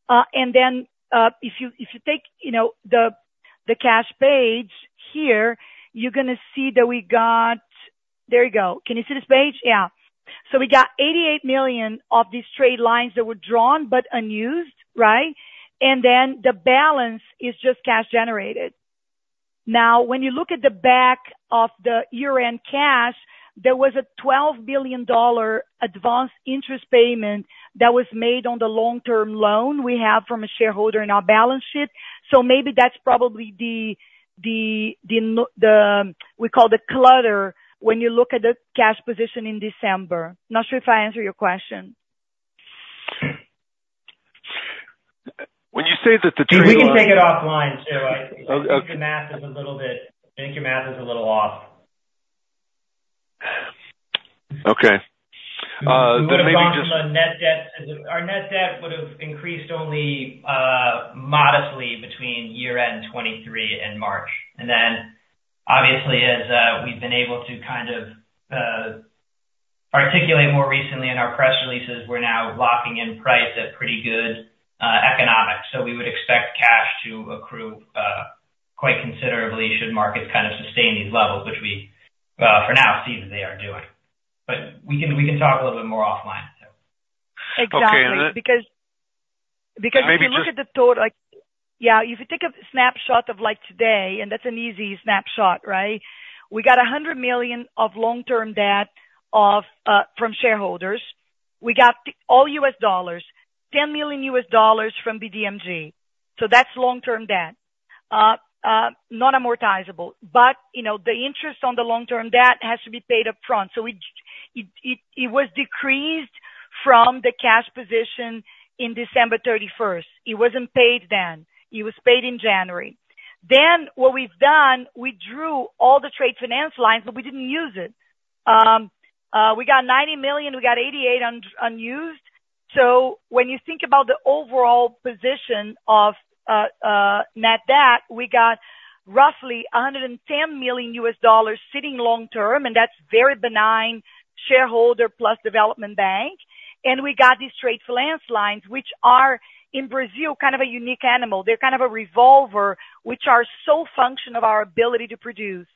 And then, if you take, you know, the cash page here, you're gonna see that we got. There you go. Can you see this page? Yeah. So we got $88 million of these trade lines that were drawn but unused, right? And then the balance is just cash generated. Now, when you look at the back of the year-end cash, there was a $12 billion advance interest payment that was made on the long-term loan we have from a shareholder in our balance sheet. So maybe that's probably the we call the clutter, when you look at the cash position in December. Not sure if I answered your question. When you say that the trade line- We can take it offline, sir. Okay. I think your math is a little off. Okay. So maybe just- The net debt, our net debt would have increased only modestly between year-end 2023 and March. And then, obviously, as we've been able to kind of articulate more recently in our press releases, we're now locking in price at pretty good economics. So we would expect cash to accrue quite considerably should markets kind of sustain these levels, which we, for now, seem that they are doing. But we can, we can talk a little bit more offline, so. Exactly. Okay, and then- Because, because- Maybe just- If you look at the total, like. Yeah, if you take a snapshot of like today, and that's an easy snapshot, right? We got $100 million of long-term debt from shareholders. We got all US dollars, $10 million from BDMG. So that's long-term debt, non-amortizable. But, you know, the interest on the long-term debt has to be paid upfront, so it was decreased from the cash position in December thirty-first. It wasn't paid then. It was paid in January. Then what we've done, we drew all the trade finance lines, but we didn't use it. We got $90 million, we got $88 million unused. So when you think about the overall position of net debt, we got roughly $110 million sitting long term, and that's very benign shareholder plus development bank. And we got these trade finance lines, which are in Brazil, kind of a unique animal. They're kind of a revolver, which are so functional of our ability to produce.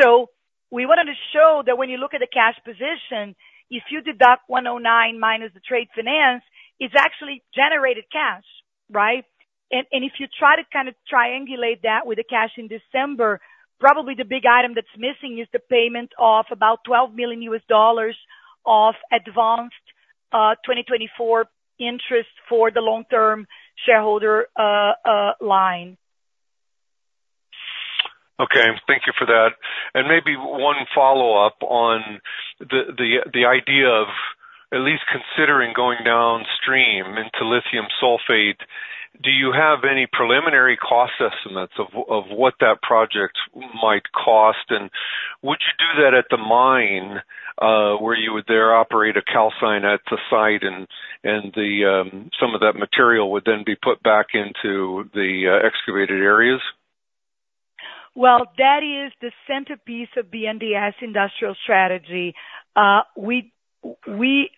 So we wanted to show that when you look at the cash position, if you deduct 109 minus the trade finance, it's actually generated cash, right? And if you try to kind of triangulate that with the cash in December, probably the big item that's missing is the payment of about $12 billion of advanced 2024 interest for the long-term shareholder line. Okay, thank you for that. And maybe one follow-up on the idea of at least considering going downstream into lithium sulfate. Do you have any preliminary cost estimates of what that project might cost? And would you do that at the mine, where you would operate a calciner at the site and some of that material would then be put back into the excavated areas? Well, that is the centerpiece of BNDES industrial strategy. We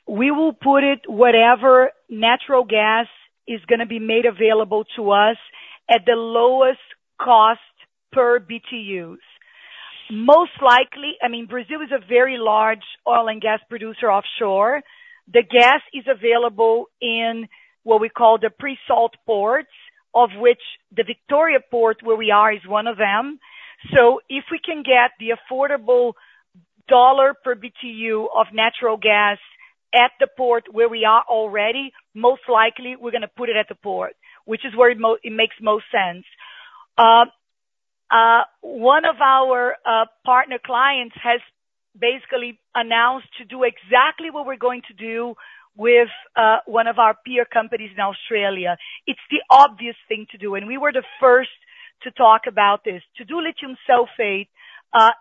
will put it wherever natural gas is gonna be made available to us at the lowest cost per BTUs. Most likely, I mean, Brazil is a very large oil and gas producer offshore. The gas is available in what we call the pre-salt ports, of which the Port of Vitória, where we are, is one of them. So if we can get the affordable dollar per BTU of natural gas at the port where we are already, most likely we're gonna put it at the port, which is where it makes most sense. One of our partner clients has basically announced to do exactly what we're going to do with one of our peer companies in Australia. It's the obvious thing to do, and we were the first to talk about this. To do lithium sulfate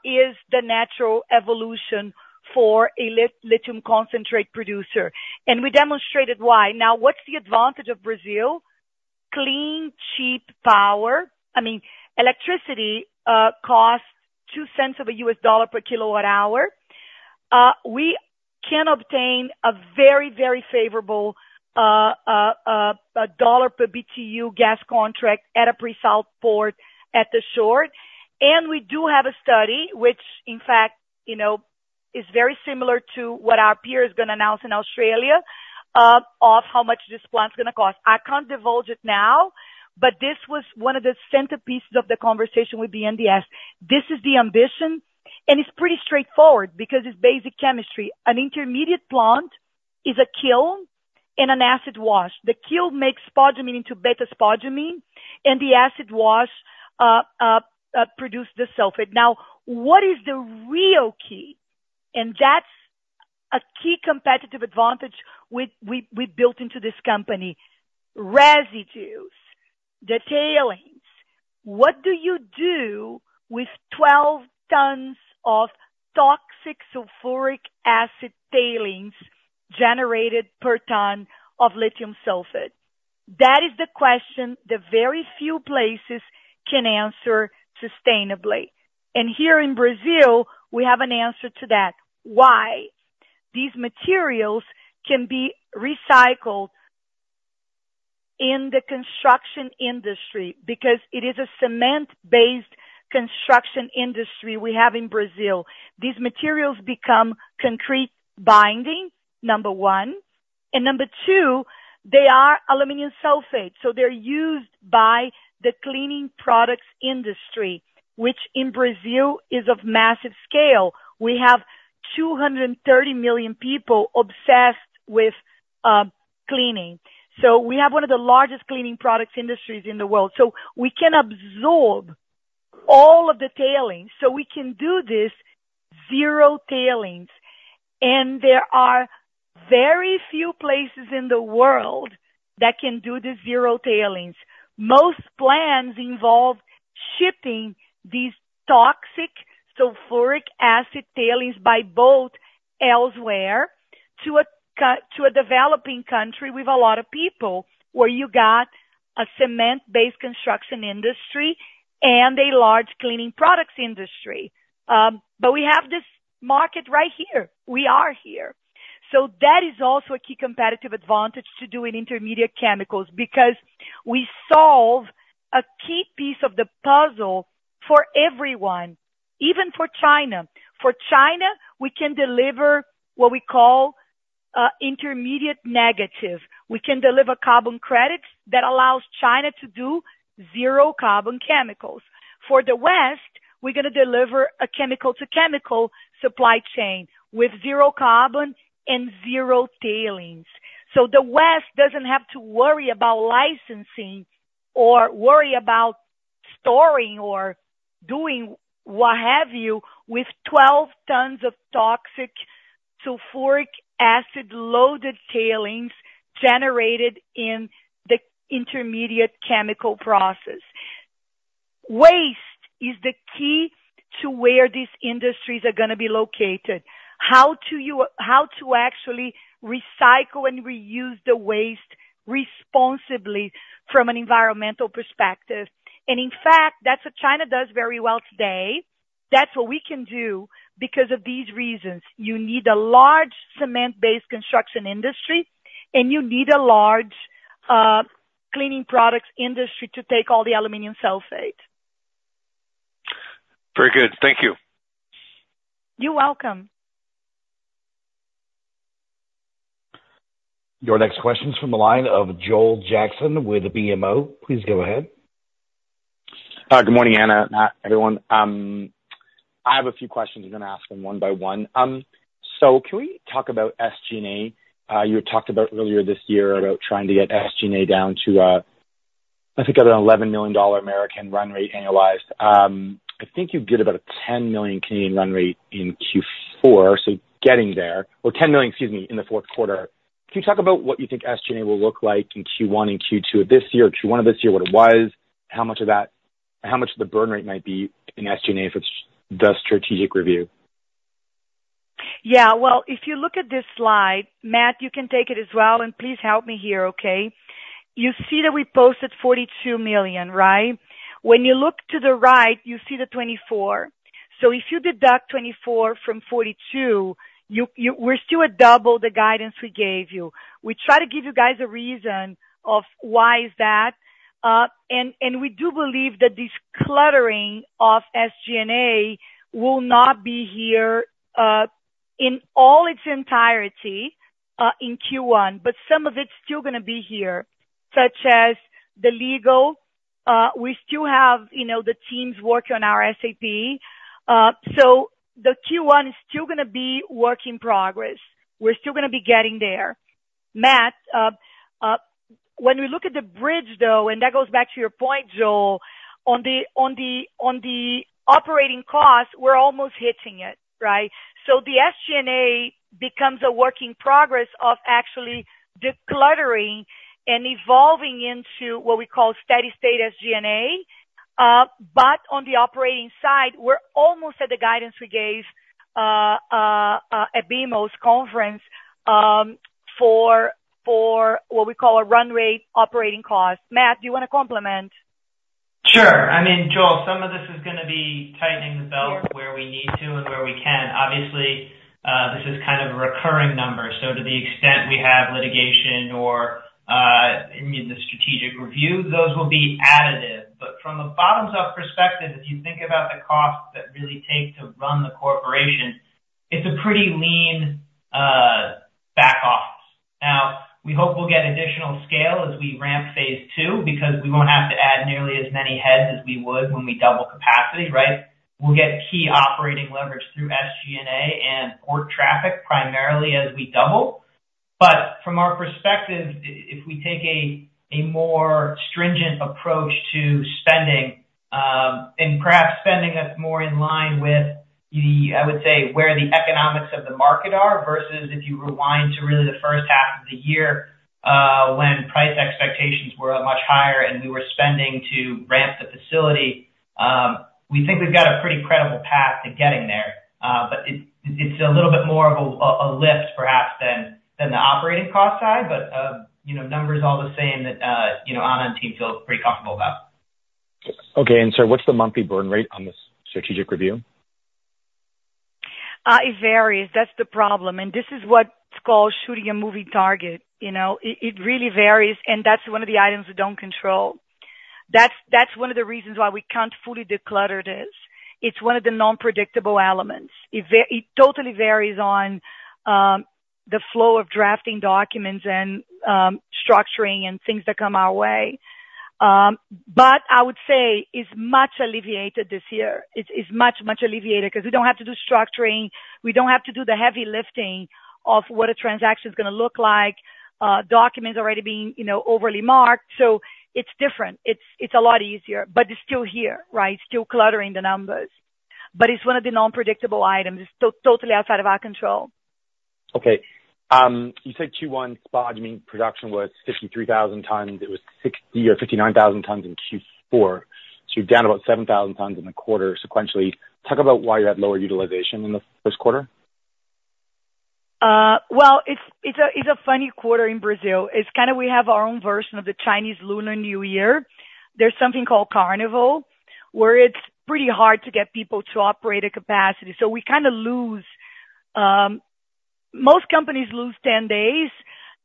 is the natural evolution for a lithium concentrate producer, and we demonstrated why. Now, what's the advantage of Brazil? Clean, cheap power. I mean, electricity costs $0.02 of a US dollar per kWh. We can obtain a very, very favorable $1 per BTU gas contract at a pre-salt port at the shore. And we do have a study, which in fact, you know, is very similar to what our peer is gonna announce in Australia, of how much this plant is gonna cost. I can't divulge it now, but this was one of the centerpieces of the conversation with BNDES. This is the ambition, and it's pretty straightforward because it's basic chemistry. An intermediate plant is a kiln and an acid wash. The kiln makes spodumene into beta-spodumene, and the acid wash produces the sulfate. Now, what is the real key? And that's a key competitive advantage we, we, we built into this company. Residues, the tailings. What do you do with 12 tons of toxic sulfuric acid tailings generated per ton of lithium sulfate? That is the question that very few places can answer sustainably. And here in Brazil, we have an answer to that. Why? These materials can be recycled in the construction industry because it is a cement-based construction industry we have in Brazil. These materials become concrete binding, number one, and number two, they are aluminum sulfate, so they're used by the cleaning products industry, which in Brazil is of massive scale. We have 230 million people obsessed with cleaning. So we have one of the largest cleaning products industries in the world. So we can absorb all of the tailings, so we can do this zero tailings. And there are very few places in the world that can do the zero tailings. Most plans involve shipping these toxic sulfuric acid tailings by boat elsewhere to a developing country with a lot of people, where you got a cement-based construction industry and a large cleaning products industry. But we have this market right here. We are here. So that is also a key competitive advantage to doing intermediate chemicals, because we solve a key piece of the puzzle for everyone, even for China. For China, we can deliver what we call intermediate negative. We can deliver carbon credits that allows China to do zero carbon chemicals. For the West, we're gonna deliver a chemical-to-chemical supply chain with zero carbon and zero tailings. So the West doesn't have to worry about licensing or worry about storing or doing what have you, with 12 tons of toxic sulfuric acid-loaded tailings generated in the intermediate chemical process. Waste is the key to where these industries are gonna be located, how to actually recycle and reuse the waste responsibly from an environmental perspective. And in fact, that's what China does very well today. That's what we can do because of these reasons. You need a large cement-based construction industry, and you need a large cleaning products industry to take all the aluminum sulfate. Very good. Thank you. You're welcome. Your next question is from the line of Joel Jackson with BMO. Please go ahead. Good morning, Ana, Matt, everyone. I have a few questions. I'm gonna ask them one by one. So can we talk about SG&A? You had talked about earlier this year about trying to get SG&A down to, I think about an $11 million run rate annualized. I think you did about a 10 million run rate in Q4, so getting there or 10 million, excuse me, in the fourth quarter. Can you talk about what you think SG&A will look like in Q1 and Q2 of this year, Q1 of this year, what it was? How much of that—how much of the burn rate might be in SG&A if it's the strategic review? Yeah, well, if you look at this slide, Matt, you can take it as well, and please help me here, okay? You see that we posted $42 million, right? When you look to the right, you see the $24 million. So if you deduct $24 million from $42 million, you-- we're still at double the guidance we gave you. We try to give you guys a reason of why is that, and we do believe that this cluttering of SG&A will not be here in all its entirety in Q1, but some of it's still gonna be here, such as the legal. We still have, you know, the teams working on our SAP. So the Q1 is still gonna be work in progress. We're still gonna be getting there. Matt, when we look at the bridge, though, and that goes back to your point, Joel, on the operating costs, we're almost hitting it, right? So the SG&A becomes a work in progress of actually decluttering and evolving into what we call steady state SG&A. But on the operating side, we're almost at the guidance we gave at BMO's conference for what we call a run rate operating cost. Matt, do you wanna comment? Sure. I mean, Joel, some of this is gonna be tightening the belt where we need to and where we can. Obviously, this is kind of a recurring number. So to the extent we have litigation or, the strategic review, those will be additive. But from a bottoms-up perspective, if you think about the costs that really take to run the corporation, it's a pretty lean, back office. Now, we hope we'll get additional scale as we ramp phase II, because we won't have to add nearly as many heads as we would when we double capacity, right? We'll get key operating leverage through SG&A and port traffic, primarily as we double. But from our perspective, if we take a more stringent approach to spending, and perhaps spending us more in line with the... I would say, where the economics of the market are, versus if you rewind to really the first half of the year, when price expectations were much higher and we were spending to ramp the facility, we think we've got a pretty credible path to getting there. But it, it's a little bit more of a lift perhaps than the operating cost side, but, you know, numbers all the same that, you know, Ana and team feel pretty comfortable about.... Okay, and so what's the monthly burn rate on this strategic review? It varies. That's the problem, and this is what's called shooting a moving target, you know? It really varies, and that's one of the items we don't control. That's one of the reasons why we can't fully declutter this. It's one of the non-predictable elements. It totally varies on the flow of drafting documents and structuring and things that come our way. But I would say it's much alleviated this year. It's much, much alleviated because we don't have to do structuring. We don't have to do the heavy lifting of what a transaction is gonna look like. Documents already being, you know, overly marked, so it's different. It's a lot easier, but it's still here, right? Still cluttering the numbers. But it's one of the non-predictable items. It's totally outside of our control. Okay. You said Q1 spodumene production was 63,000 tons. It was sixty-nine thousand tons in Q4, so you're down about 7,000 tons in the quarter sequentially. Talk about why you had lower utilization in the first quarter? Well, it's a funny quarter in Brazil. It's kind of we have our own version of the Chinese Lunar New Year. There's something called Carnival, where it's pretty hard to get people to operate at capacity. So we kind of lose. Most companies lose 10 days.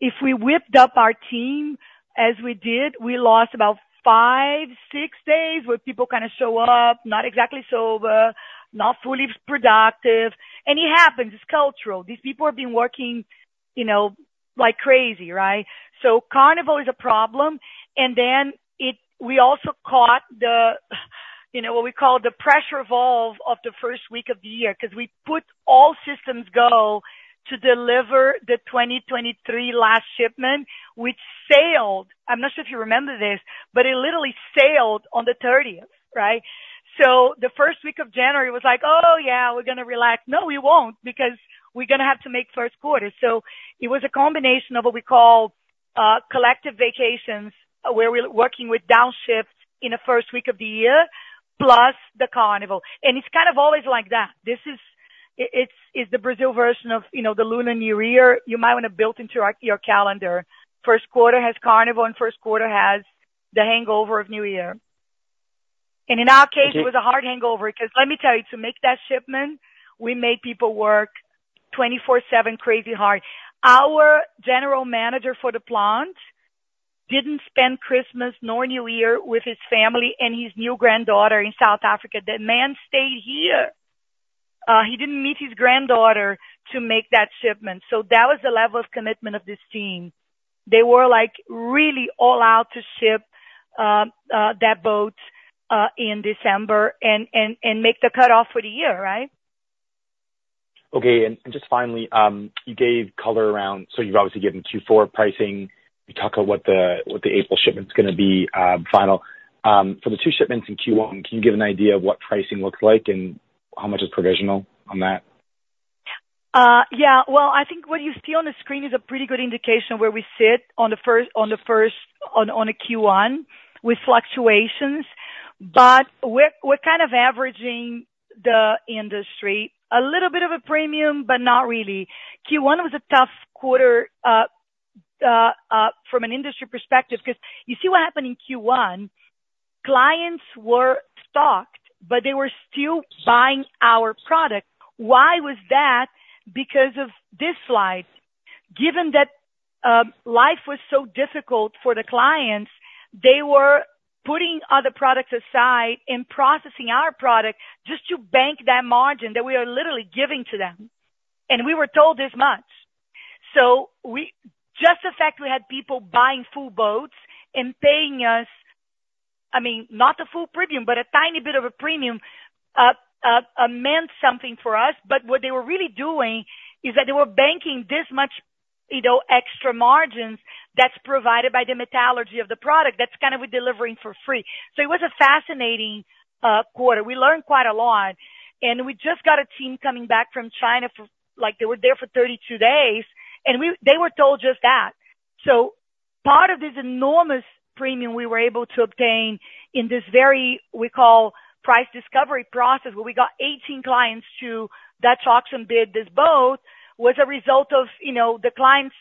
If we whipped up our team, as we did, we lost about five, six days, where people kind of show up, not exactly sober, not fully productive, and it happens. It's cultural. These people have been working, you know, like crazy, right? So Carnival is a problem, and then it, we also caught the, you know, what we call the pressure valve of the first week of the year. Because we put all systems go to deliver the 2023 last shipment, which sailed. I'm not sure if you remember this, but it literally sailed on the 30th, right? So the first week of January was like, "Oh, yeah, we're gonna relax." No, we won't, because we're gonna have to make first quarter. So it was a combination of what we call collective vacations, where we're working with down shifts in the first week of the year, plus the Carnival. And it's kind of always like that. This is the Brazil version of, you know, the Lunar New Year. You might want to build into your calendar. First quarter has Carnival, and first quarter has the hangover of New Year. And in our case, it was a hard hangover, because let me tell you, to make that shipment, we made people work 24/7, crazy hard. Our general manager for the plant didn't spend Christmas nor New Year with his family and his new granddaughter in South Africa. That man stayed here, he didn't meet his granddaughter, to make that shipment. So that was the level of commitment of this team. They were, like, really all out to ship that boat in December and make the cutoff for the year, right? Okay. And just finally, you gave color around... So you've obviously given Q4 pricing. You talk about what the April shipment is gonna be, final. For the two shipments in Q1, can you give an idea of what pricing looks like and how much is provisional on that? Yeah. Well, I think what you see on the screen is a pretty good indication of where we sit on the Q1, with fluctuations. But we're kind of averaging the industry. A little bit of a premium, but not really. Q1 was a tough quarter from an industry perspective, because you see what happened in Q1, clients were stocked, but they were still buying our product. Why was that? Because of this slide. Given that, life was so difficult for the clients, they were putting other products aside and processing our product just to bank that margin that we are literally giving to them. And we were told this much. So, just the fact we had people buying full boats and paying us, I mean, not the full premium, but a tiny bit of a premium, meant something for us. But what they were really doing is that they were banking this much, you know, extra margins that's provided by the metallurgy of the product, that's kind of we're delivering for free. So it was a fascinating quarter. We learned quite a lot, and we just got a team coming back from China. Like, they were there for 32 days, and we... they were told just that. So part of this enormous premium we were able to obtain in this very, we call, price discovery process, where we got 18 clients to Dutch auction bid this boat, was a result of, you know, the clients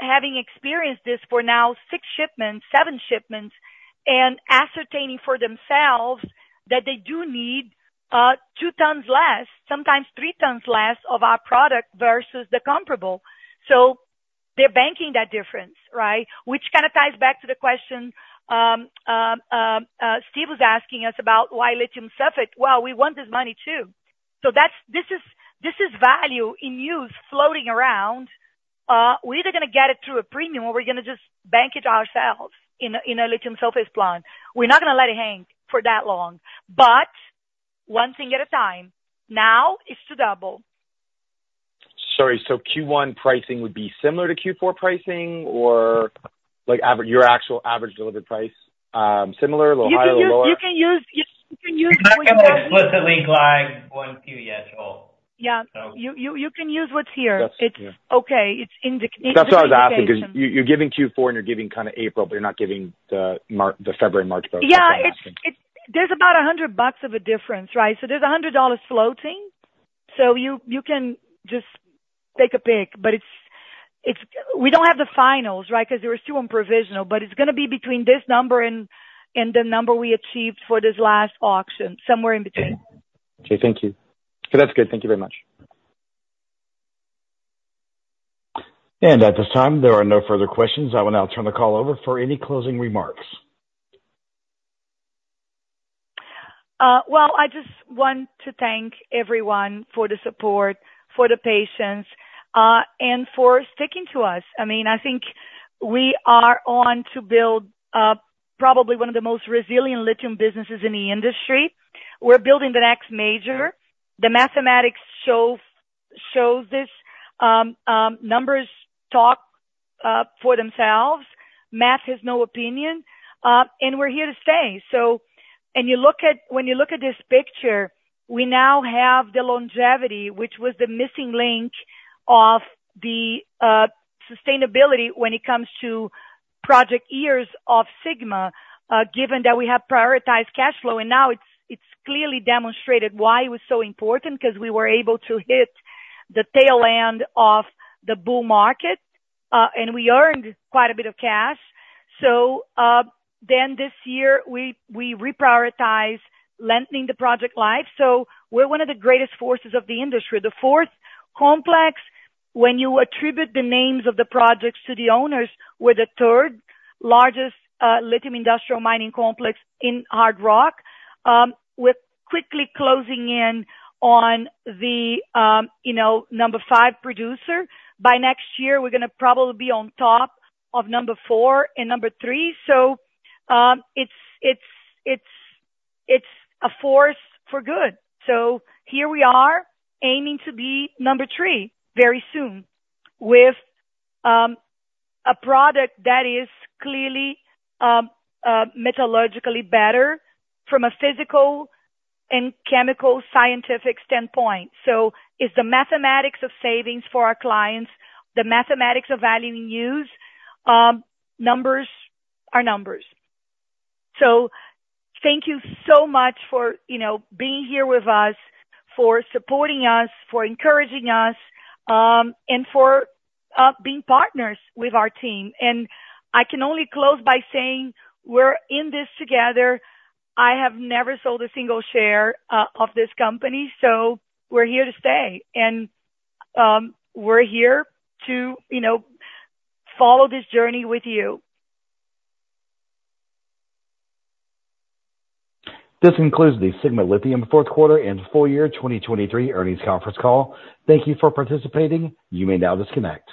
having experienced this for now, six shipments, seven shipments, and ascertaining for themselves that they do need, 2 tons less, sometimes 3 tons less of our product versus the comparable. So they're banking that difference, right? Which kind of ties back to the question, Steve was asking us about why lithium sulfate. Well, we want this money, too. So that's... This is, this is value in use, floating around. We're either gonna get it through a premium or we're gonna just bank it ourselves in a, in a lithium sulfate plant. We're not gonna let it hang for that long, but one thing at a time. Now, it's to double. Sorry, so Q1 pricing would be similar to Q4 pricing, or like, average your actual average delivered price? Similar, a little higher or lower? You can use. We're not going to explicitly guide Q1, Q2 yet, Joel. Yeah. So- You can use what's here. That's here. It's okay. It's indic- That's why I was asking, because you're, you're giving Q4, and you're giving kind of April, but you're not giving the Mar-- the February, March- Yeah, it's—there's about $100 of a difference, right? So there's $100 floating.... So you can just take a pick, but it's—we don't have the finals, right? Because they were still on provisional, but it's gonna be between this number and the number we achieved for this last auction, somewhere in between. Okay, thank you. That's good. Thank you very much. At this time, there are no further questions. I will now turn the call over for any closing remarks. Well, I just want to thank everyone for the support, for the patience, and for sticking to us. I mean, I think we are on to build probably one of the most resilient lithium businesses in the industry. We're building the next major. The mathematics show, shows this, numbers talk for themselves. Math has no opinion, and we're here to stay. So and you look at—when you look at this picture, we now have the longevity, which was the missing link of the sustainability when it comes to project years of Sigma. Given that we have prioritized cash flow, and now it's, it's clearly demonstrated why it was so important, 'cause we were able to hit the tail end of the bull market, and we earned quite a bit of cash. Then this year, we reprioritized lengthening the project life. We're one of the greatest forces of the industry. The fourth complex, when you attribute the names of the projects to the owners, we're the third largest lithium industrial mining complex in hard rock. We're quickly closing in on the, you know, number five producer. By next year, we're gonna probably be on top of number four and number three. It's a force for good. Here we are, aiming to be number three very soon, with a product that is clearly metallurgically better from a physical and chemical scientific standpoint. It's the mathematics of savings for our clients, the mathematics of value we use, numbers are numbers. So thank you so much for, you know, being here with us, for supporting us, for encouraging us, and for being partners with our team. I can only close by saying, we're in this together. I have never sold a single share of this company, so we're here to stay, and we're here to, you know, follow this journey with you. This concludes the Sigma Lithium fourth quarter and full year 2023 earnings conference call. Thank you for participating. You may now disconnect.